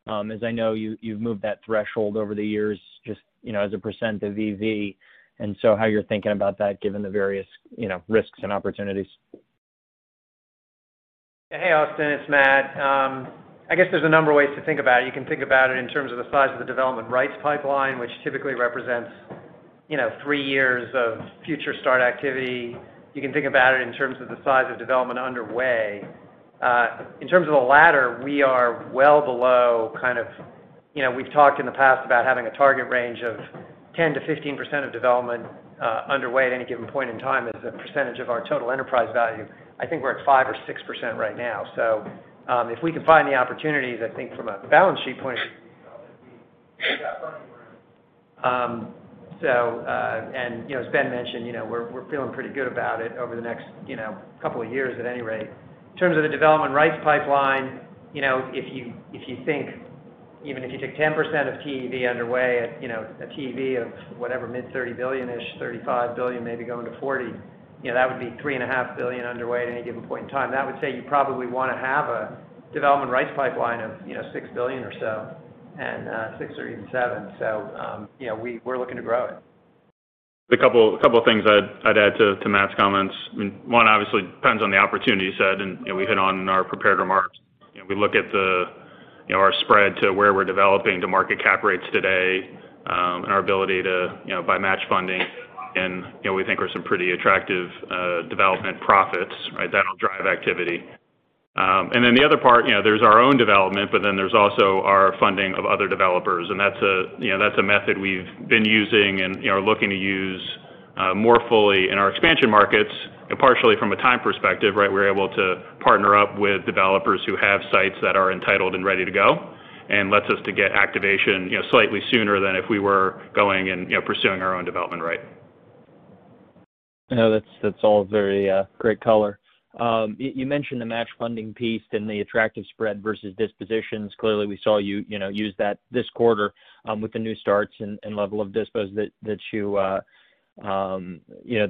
As I know, you've moved that threshold over the years, just as a percent of [TEV]. How you're thinking about that given the various risks and opportunities. Hey, Austin, it's Matt. I guess there's a number of ways to think about it. You can think about it in terms of the size of the development rights pipeline, which typically represents three years of future start activity. You can think about it in terms of the size of development underway. In terms of the latter, we are well below. We've talked in the past about having a target range of 10%-15% of development underway at any given point in time as a percentage of our total enterprise value. I think we're at 5% or 6% right now. If we can find the opportunities, I think from a balance sheet point. (audio distortion) As Ben mentioned, we're feeling pretty good about it over the next couple of years at any rate. In terms of the development rights pipeline, if you think even if you take 10% of TEV underway at a TEV of whatever, mid-$30 billion-ish, $35 billion, maybe going to $40 billion, that would be $3.5 billion underway at any given point in time. That would say you probably want to have a development rights pipeline of $6 billion or so, $6 billion or even $7 billion. We're looking to grow it. A couple of things I'd add to Matt's comments. One, obviously, depends on the opportunities ahead, and we hit on in our prepared remarks. We look at our spread to where we're developing to market cap rates today and our ability to buy match funding. We think there are some pretty attractive development profits, right? That'll drive activity. The other part, there's our own development, but then there's also our funding of other developers. That's a method we've been using and looking to use more fully in our expansion markets. Partially from a time perspective, right, we're able to partner up with developers who have sites that are entitled and ready to go, and lets us to get activation slightly sooner than if we were going and pursuing our own development right. That's all very great color. You mentioned the match funding piece and the attractive spread versus dispositions. Clearly, we saw you use that this quarter with the new starts and level of dispos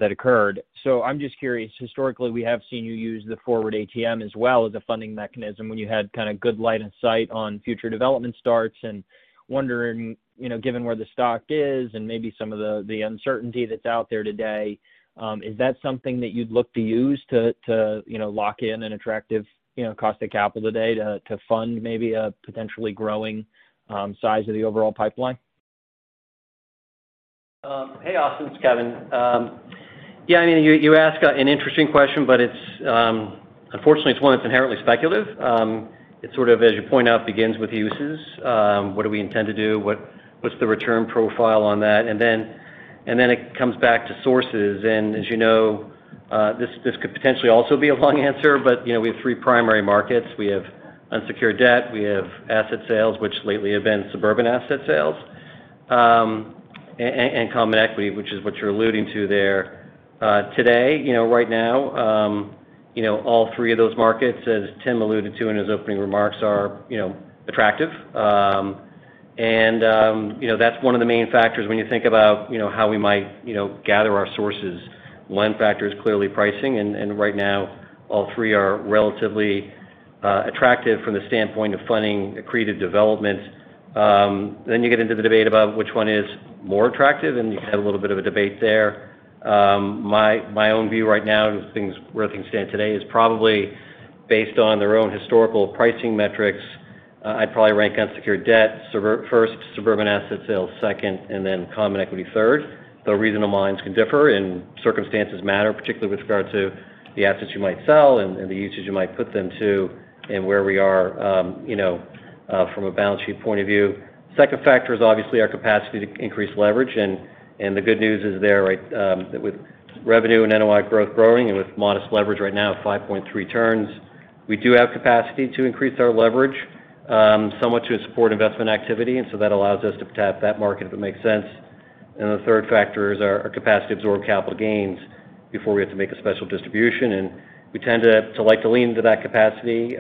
that occurred. I'm just curious. Historically, we have seen you use the forward ATM as well as a funding mechanism when you had kind of good line of sight on future development starts. Wondering, given where the stock is and maybe some of the uncertainty that's out there today, is that something that you'd look to use to lock in an attractive cost of capital today to fund maybe a potentially growing size of the overall pipeline? Hey, Austin, it's Kevin. Yeah, you ask an interesting question, but unfortunately, it's one that's inherently speculative. It sort of, as you point out, begins with uses. What do we intend to do? What's the return profile on that? Then it comes back to sources. As you know, this could potentially also be a long answer, but we have three primary markets. We have unsecured debt, we have asset sales, which lately have been suburban asset sales. Common equity, which is what you're alluding to there. Today, right now, all three of those markets, as Tim alluded to in his opening remarks, are attractive. That's one of the main factors when you think about how we might gather our sources. One factor is clearly pricing, and right now all three are relatively attractive from the standpoint of funding accretive development. You get into the debate about which one is more attractive, and you can have a little bit of a debate there. My own view right now, where things stand today, is probably based on their own historical pricing metrics. I'd probably rank unsecured debt first, suburban asset sales second, and then common equity third. Though reasonable minds can differ and circumstances matter, particularly with regard to the assets you might sell and the usage you might put them to and where we are from a balance sheet point of view. Second factor is obviously our capacity to increase leverage, and the good news is there, with revenue and NOI growth growing and with modest leverage right now at 5.3 turns, we do have capacity to increase our leverage somewhat to support investment activity. That allows us to tap that market if it makes sense. The third factor is our capacity to absorb capital gains before we have to make a special distribution. We tend to like to lean into that capacity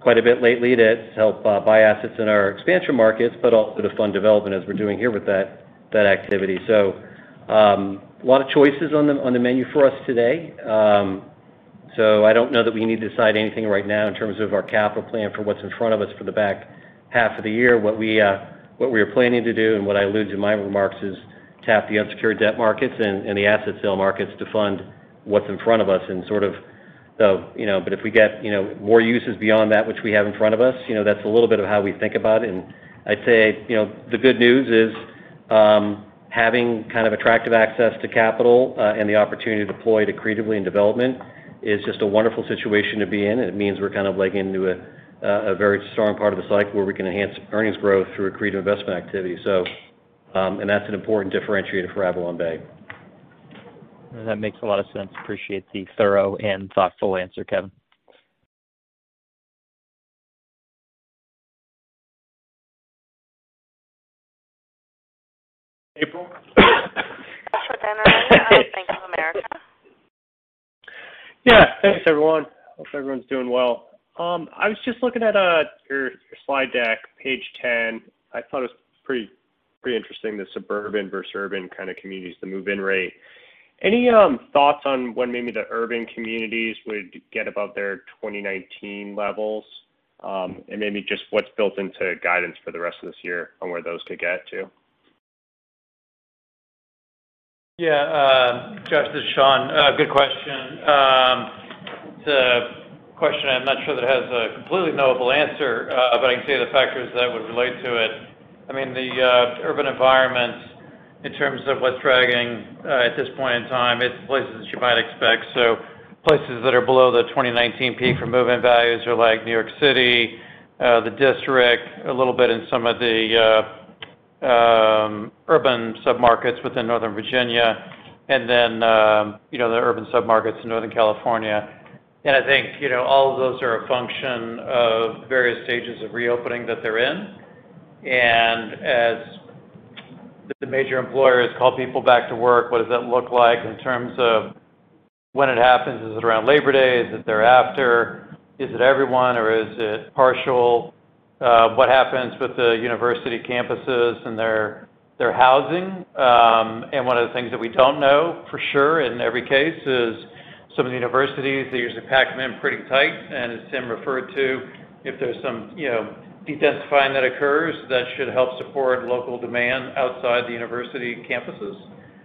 quite a bit lately to help buy assets in our expansion markets, but also to fund development as we're doing here with that activity. A lot of choices on the menu for us today. I don't know that we need to decide anything right now in terms of our capital plan for what's in front of us for the back half of the year. What we are planning to do and what I allude to in my remarks is tap the unsecured debt markets and the asset sale markets to fund what's in front of us. If we get more uses beyond that which we have in front of us, that's a little bit of how we think about it. I'd say the good news is having kind of attractive access to capital and the opportunity to deploy to accretively in development is just a wonderful situation to be in. It means we're kind of legging into a very strong part of the cycle where we can enhance earnings growth through accretive investment activity. That's an important differentiator for AvalonBay. That makes a lot of sense. Appreciate the thorough and thoughtful answer, Kevin. April? (audio distortion) of Bank of America. Yeah, thanks everyone. Hope everyone's doing well. I was just looking at your slide deck, page 10. I thought it was pretty interesting, the suburban versus urban kind of communities, the move-in rate. Any thoughts on when maybe the urban communities would get above their 2019 levels? Maybe just what's built into guidance for the rest of this year on where those could get to? Yeah. [Jeff], this is Sean. Good question. It's a question I'm not sure that has a completely knowable answer, but I can tell you the factors that would relate to it. The urban environments, in terms of what's dragging at this point in time, it's the places that you might expect. Places that are below the 2019 peak for move-in values are like New York City, the District, a little bit in some of the urban submarkets within Northern Virginia, and then the urban submarkets in Northern California. I think all of those are a function of various stages of reopening that they're in. As the major employers call people back to work, what does that look like in terms of when it happens? Is it around Labor Day? Is it thereafter? Is it everyone or is it partial? What happens with the university campuses and their housing? One of the things that we don't know for sure in every case is some of the universities, they usually pack them in pretty tight. As Tim referred to, if there's some de-densifying that occurs, that should help support local demand outside the university campuses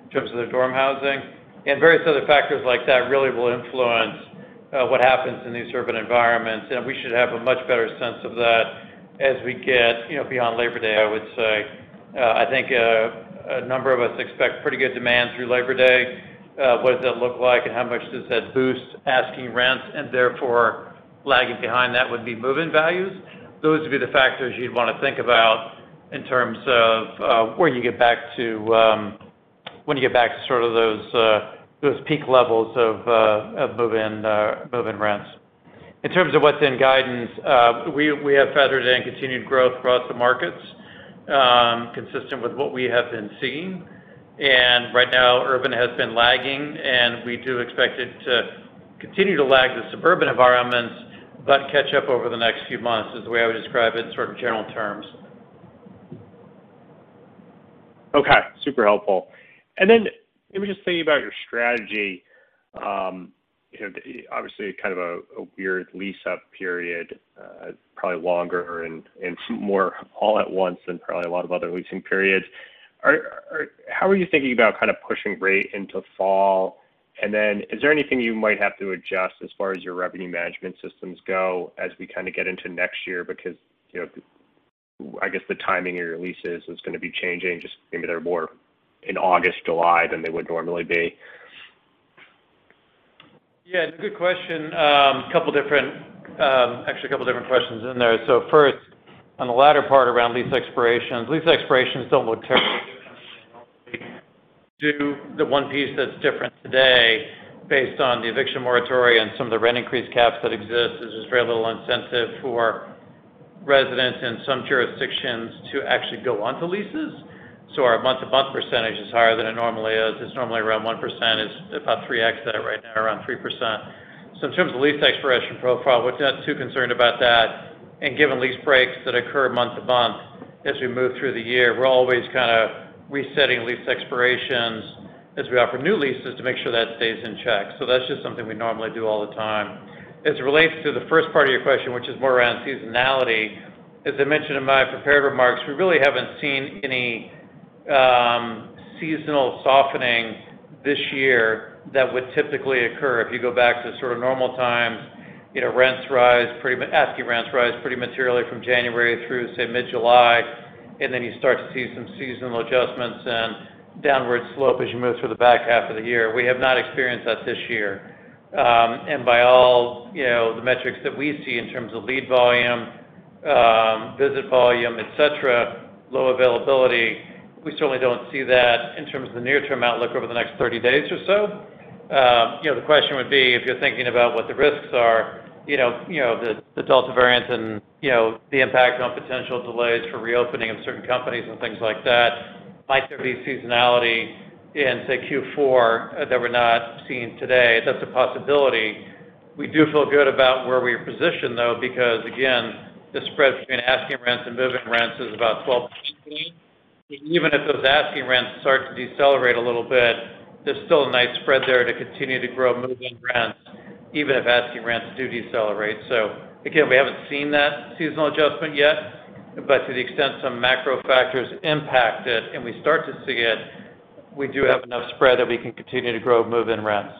in terms of their dorm housing. Various other factors like that really will influence what happens in these urban environments. We should have a much better sense of that as we get beyond Labor Day, I would say. I think a number of us expect pretty good demand through Labor Day. What does that look like and how much does that boost asking rents? Therefore lagging behind that would be move-in values. Those would be the factors you'd want to think about in terms of when you get back to sort of those peak levels of move-in rents. In terms of what's in guidance, we have feathered in continued growth across the markets, consistent with what we have been seeing. Right now, urban has been lagging, and we do expect it to continue to lag the suburban environments, but catch up over the next few months is the way I would describe it in sort of general terms. Okay. Super helpful. Let me just think about your strategy. Obviously kind of a weird lease-up period, probably longer and more all at once than probably a lot of other leasing periods. How are you thinking about kind of pushing rate into fall? Is there anything you might have to adjust as far as your revenue management systems go as we kind of get into next year? Because I guess the timing of your leases is going to be changing, just maybe they're more in August, July than they would normally be. Yeah, good question. Actually a couple different questions in there. First, on the latter part around lease expirations. Lease expirations don't look terribly (audio distortion) Due to the one piece that's different today based on the eviction moratorium and some of the rent increase caps that exist, there's very little incentive for residents in some jurisdictions to actually go onto leases. Our month-to-month percentage is higher than it normally is. It's normally around 1%. It's about 3x that right now, around 3%. In terms of lease expiration profile, we're not too concerned about that. Given lease breaks that occur month to month as we move through the year, we're always kind of resetting lease expirations as we offer new leases to make sure that stays in check. That's just something we normally do all the time. As it relates to the first part of your question, which is more around seasonality, as I mentioned in my prepared remarks, we really haven't seen any seasonal softening this year that would typically occur. If you go back to sort of normal times, asking rents rise pretty materially from January through, say, mid-July. Then you start to see some seasonal adjustments and downward slope as you move through the back half of the year. We have not experienced that this year. By all the metrics that we see in terms of lead volume, visit volume, et cetera, low availability, we certainly don't see that in terms of the near-term outlook over the next 30 days or so. The question would be, if you're thinking about what the risks are, the Delta variant and the impact on potential delays for reopening of certain companies and things like that, might there be seasonality in, say, Q4 that we're not seeing today? That's a possibility. We do feel good about where we're positioned, though, because again, the spread between asking rents and move-in rents is about 12%[-15%]. Even if those asking rents start to decelerate a little bit, there's still a nice spread there to continue to grow move-in rents, even if asking rents do decelerate. Again, we haven't seen that seasonal adjustment yet, but to the extent some macro factors impact it and we start to see it, we do have enough spread that we can continue to grow move-in rents.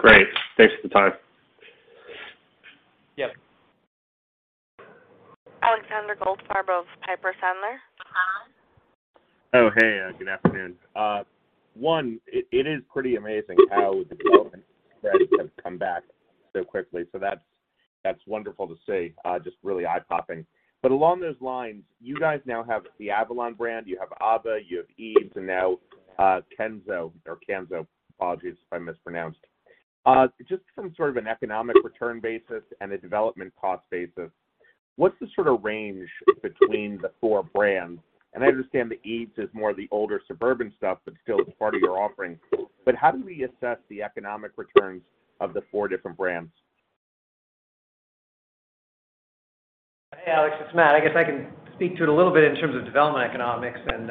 Great. Thanks for the time. Yep. Alexander Goldfarb of Piper Sandler. Hey. Good afternoon. One, it is pretty amazing how the development have come back so quickly. That's wonderful to see. Just really eye-popping. Along those lines, you guys now have the Avalon brand, you have AVA, you have eaves, and now Kanso. Apologies if I mispronounced. Just from sort of an economic return basis and a development cost basis, what's the sort of range between the four brands? I understand the eaves is more the older suburban stuff, but still it's part of your offering. How do we assess the economic returns of the four different brands? Hey, Alex, it's Matt. I guess I can speak to it a little bit in terms of development economics and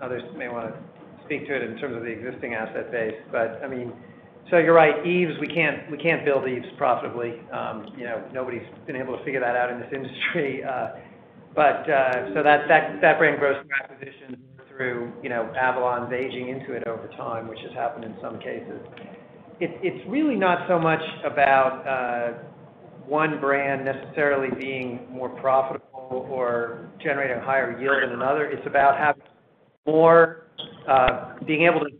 others may want to speak to it in terms of the existing asset base. You're right, eaves, we can't build eaves profitably. Nobody's been able to figure that out in this industry. That brand grows through acquisitions, through Avalon aging into it over time, which has happened in some cases. It's really not so much about one brand necessarily being more profitable or generating a higher yield than another. It's about being able to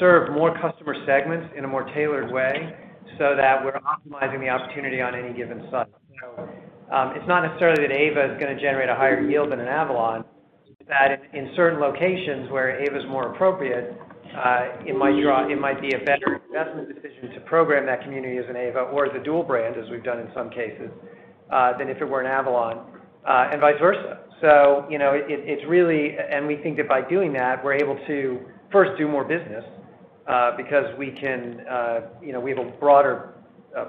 serve more customer segments in a more tailored way so that we're optimizing the opportunity on any given site. It's not necessarily that an AVA is going to generate a higher yield than an Avalon. It's that in certain locations where AVA's more appropriate, it might be a better investment decision to program that community as an AVA or as a dual brand, as we've done in some cases, than if it were an Avalon, and vice versa. We think that by doing that, we're able to, first, do more business, because we have a broader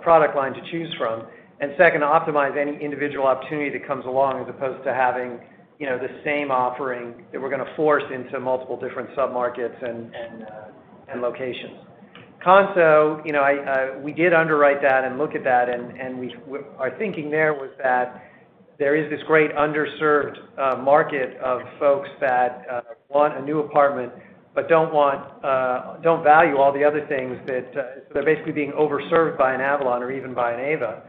product line to choose from, and second, optimize any individual opportunity that comes along, as opposed to having the same offering that we're going to force into multiple different submarkets and locations. Kanso, we did underwrite that and look at that, and our thinking there was that there is this great underserved market of folks that want a new apartment but don't value all the other things that So they're basically being overserved by an Avalon or even by an AVA.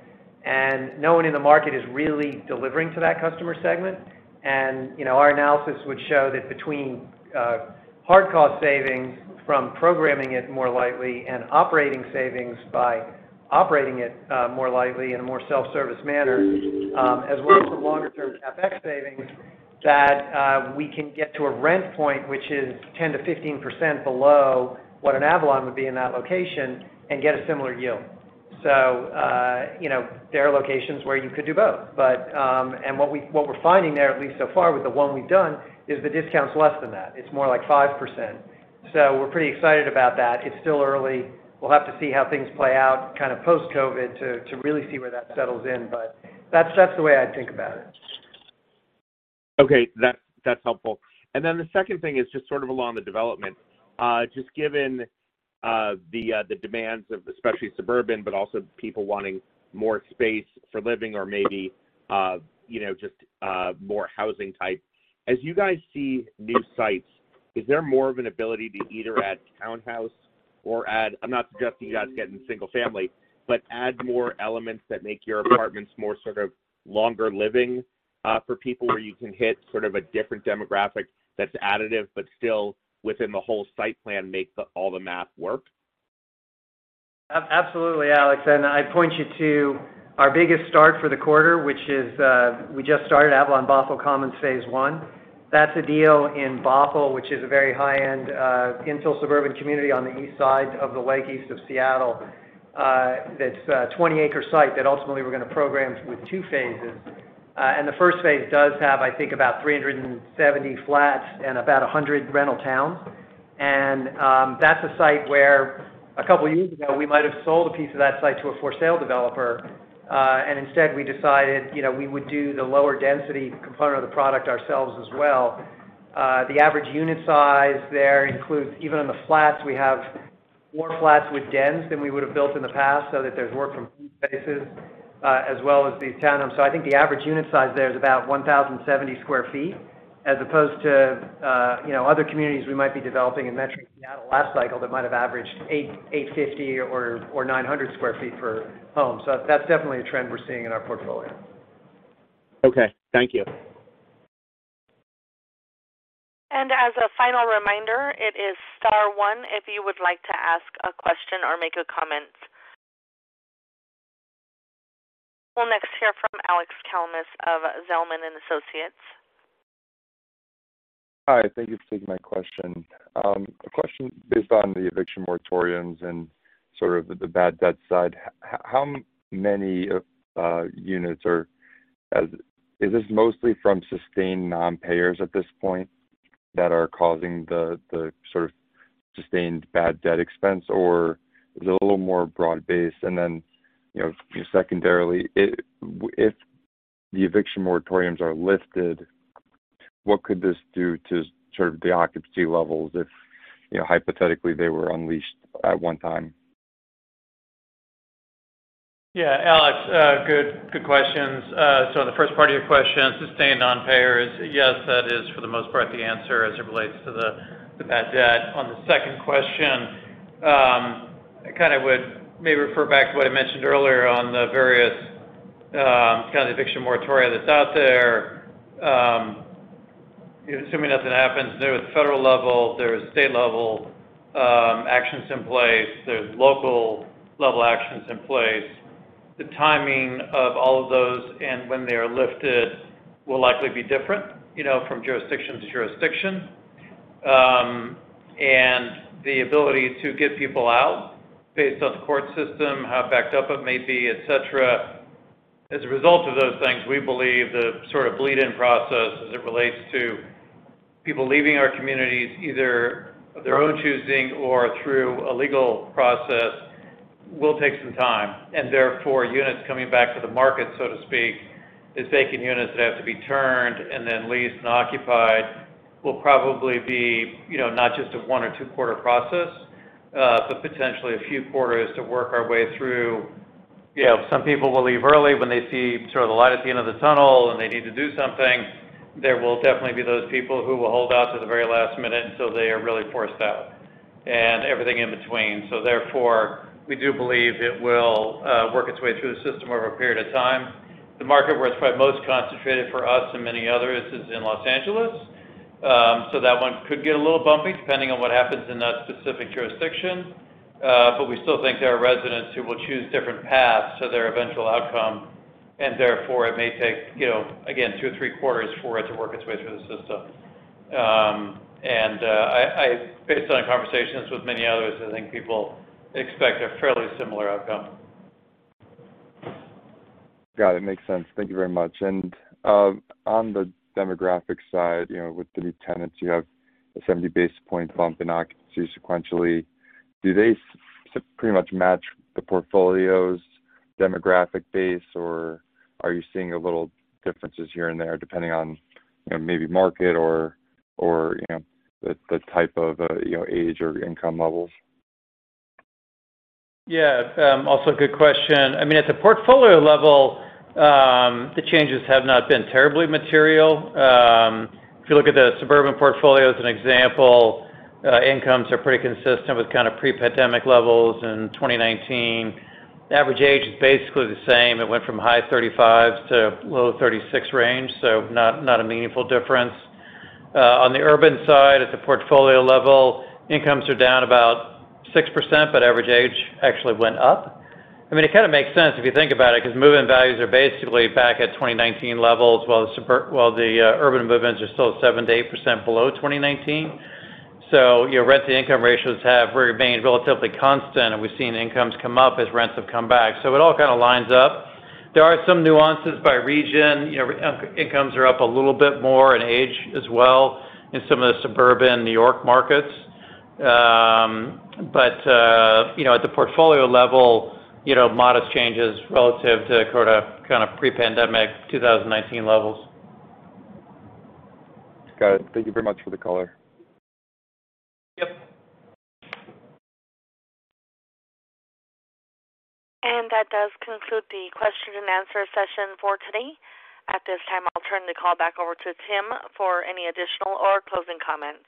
No one in the market is really delivering to that customer segment. Our analysis would show that between hard cost savings from programming it more lightly and operating savings by operating it more lightly in a more self-service manner, as well as some longer term CapEx savings, that we can get to a rent point which is 10%-15% below what an Avalon would be in that location and get a similar yield. There are locations where you could do both. What we're finding there, at least so far with the one we've done, is the discount's less than that. It's more like 5%. We're pretty excited about that. It's still early. We'll have to see how things play out kind of post-COVID to really see where that settles in. That's the way I'd think about it. Okay. That's helpful. The second thing is just sort of along the development. Just given the demands of especially suburban, but also people wanting more space for living or maybe just more housing type. As you guys see new sites, is there more of an ability to either add townhouse or add I'm not suggesting you guys get into single family, but add more elements that make your apartments more sort of longer living for people where you can hit sort of a different demographic that's additive, but still within the whole site plan make all the math work? Absolutely, Alex. I'd point you to our biggest start for the quarter, which is we just started Avalon Bothell Commons Phase I. That's a deal in Bothell, which is a very high-end infill suburban community on the east side of the lake east of Seattle. That's a 20-acre site that ultimately we're going to program with two phases. The first phase does have, I think, about 370 flats and about 100 rental towns. That's a site where a couple of years ago, we might have sold a piece of that site to a for-sale developer. Instead, we decided we would do the lower density component of the product ourselves as well. The average unit size there includes, even on the flats, we have more flats with dens than we would have built in the past, so that there's work from home spaces as well as these townhomes. I think the average unit size there is about 1,070 square feet, as opposed to other communities we might be developing in metro Seattle last cycle that might have averaged 850 or 900 sq ft per home. That's definitely a trend we're seeing in our portfolio. Okay. Thank you. As a final reminder, it is star one if you would like to ask a question or make a comment. We will next hear from Alex Kalmus of Zelman & Associates. Hi, thank you for taking my question. A question based on the eviction moratoriums and sort of the bad debt side. How many units is this mostly from sustained non-payers at this point that are causing the sort of sustained bad debt expense, or is it a little more broad-based? Secondarily, if the eviction moratoriums are lifted, what could this do to sort of the occupancy levels if hypothetically they were unleashed at one time? Yeah, Alex, good questions. The first part of your question, sustained non-payers, yes, that is, for the most part, the answer as it relates to the bad debt. On the second question, I kind of would maybe refer back to what I mentioned earlier on the various kind of eviction moratoria that's out there. Assuming nothing happens, there's federal level, there's state-level actions in place. There's local-level actions in place. The timing of all of those and when they are lifted will likely be different from jurisdiction to jurisdiction. The ability to get people out based on the court system, how backed up it may be, et cetera. As a result of those things, we believe the sort of bleed-in process as it relates to people leaving our communities, either of their own choosing or through a legal process, will take some time. Therefore, units coming back to the market, so to speak, is vacant units that have to be turned and then leased and occupied, will probably be not just a one or two-quarter process, but potentially a few quarters to work our way through. Some people will leave early when they see sort of the light at the end of the tunnel and they need to do something. There will definitely be those people who will hold out to the very last minute until they are really forced out, and everything in between. Therefore, we do believe it will work its way through the system over a period of time. The market where it's probably most concentrated for us and many others is in Los Angeles. That one could get a little bumpy depending on what happens in that specific jurisdiction. We still think there are residents who will choose different paths to their eventual outcome. Therefore, it may take, again, two or three quarters for it to work its way through the system. Based on conversations with many others, I think people expect a fairly similar outcome. Got it. Makes sense. Thank you very much. On the demographic side, with the new tenants, you have a 70-basis-point bump in occupancy sequentially. Do they pretty much match the portfolio's demographic base, or are you seeing little differences here and there depending on maybe market or the type of age or income levels? Yeah. Also a good question. At the portfolio level, the changes have not been terribly material. If you look at the suburban portfolio as an example, incomes are pretty consistent with kind of pre-pandemic levels in 2019. Average age is basically the same. It went from high 35s to low 36 range, not a meaningful difference. On the urban side, at the portfolio level, incomes are down about 6%, average age actually went up. It kind of makes sense if you think about it, move-in values are basically back at 2019 levels, while the urban move-ins are still 7%-8% below 2019. Rent-to-income ratios have remained relatively constant, and we've seen incomes come up as rents have come back. So it all kind of lines up. There are some nuances by region. Incomes are up a little bit more, and age as well in some of the suburban New York markets. At the portfolio level, modest changes relative to sort of pre-pandemic 2019 levels. Got it. Thank you very much for the color. Yep. That does conclude the question and answer session for today. At this time, I'll turn the call back over to Tim for any additional or closing comments.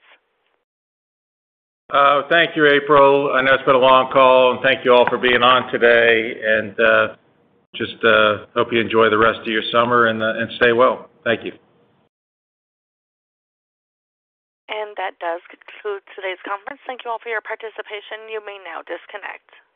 Thank you, April. I know it's been a long call, and thank you all for being on today. Just hope you enjoy the rest of your summer and stay well. Thank you. That does conclude today's conference. Thank you all for your participation. You may now disconnect.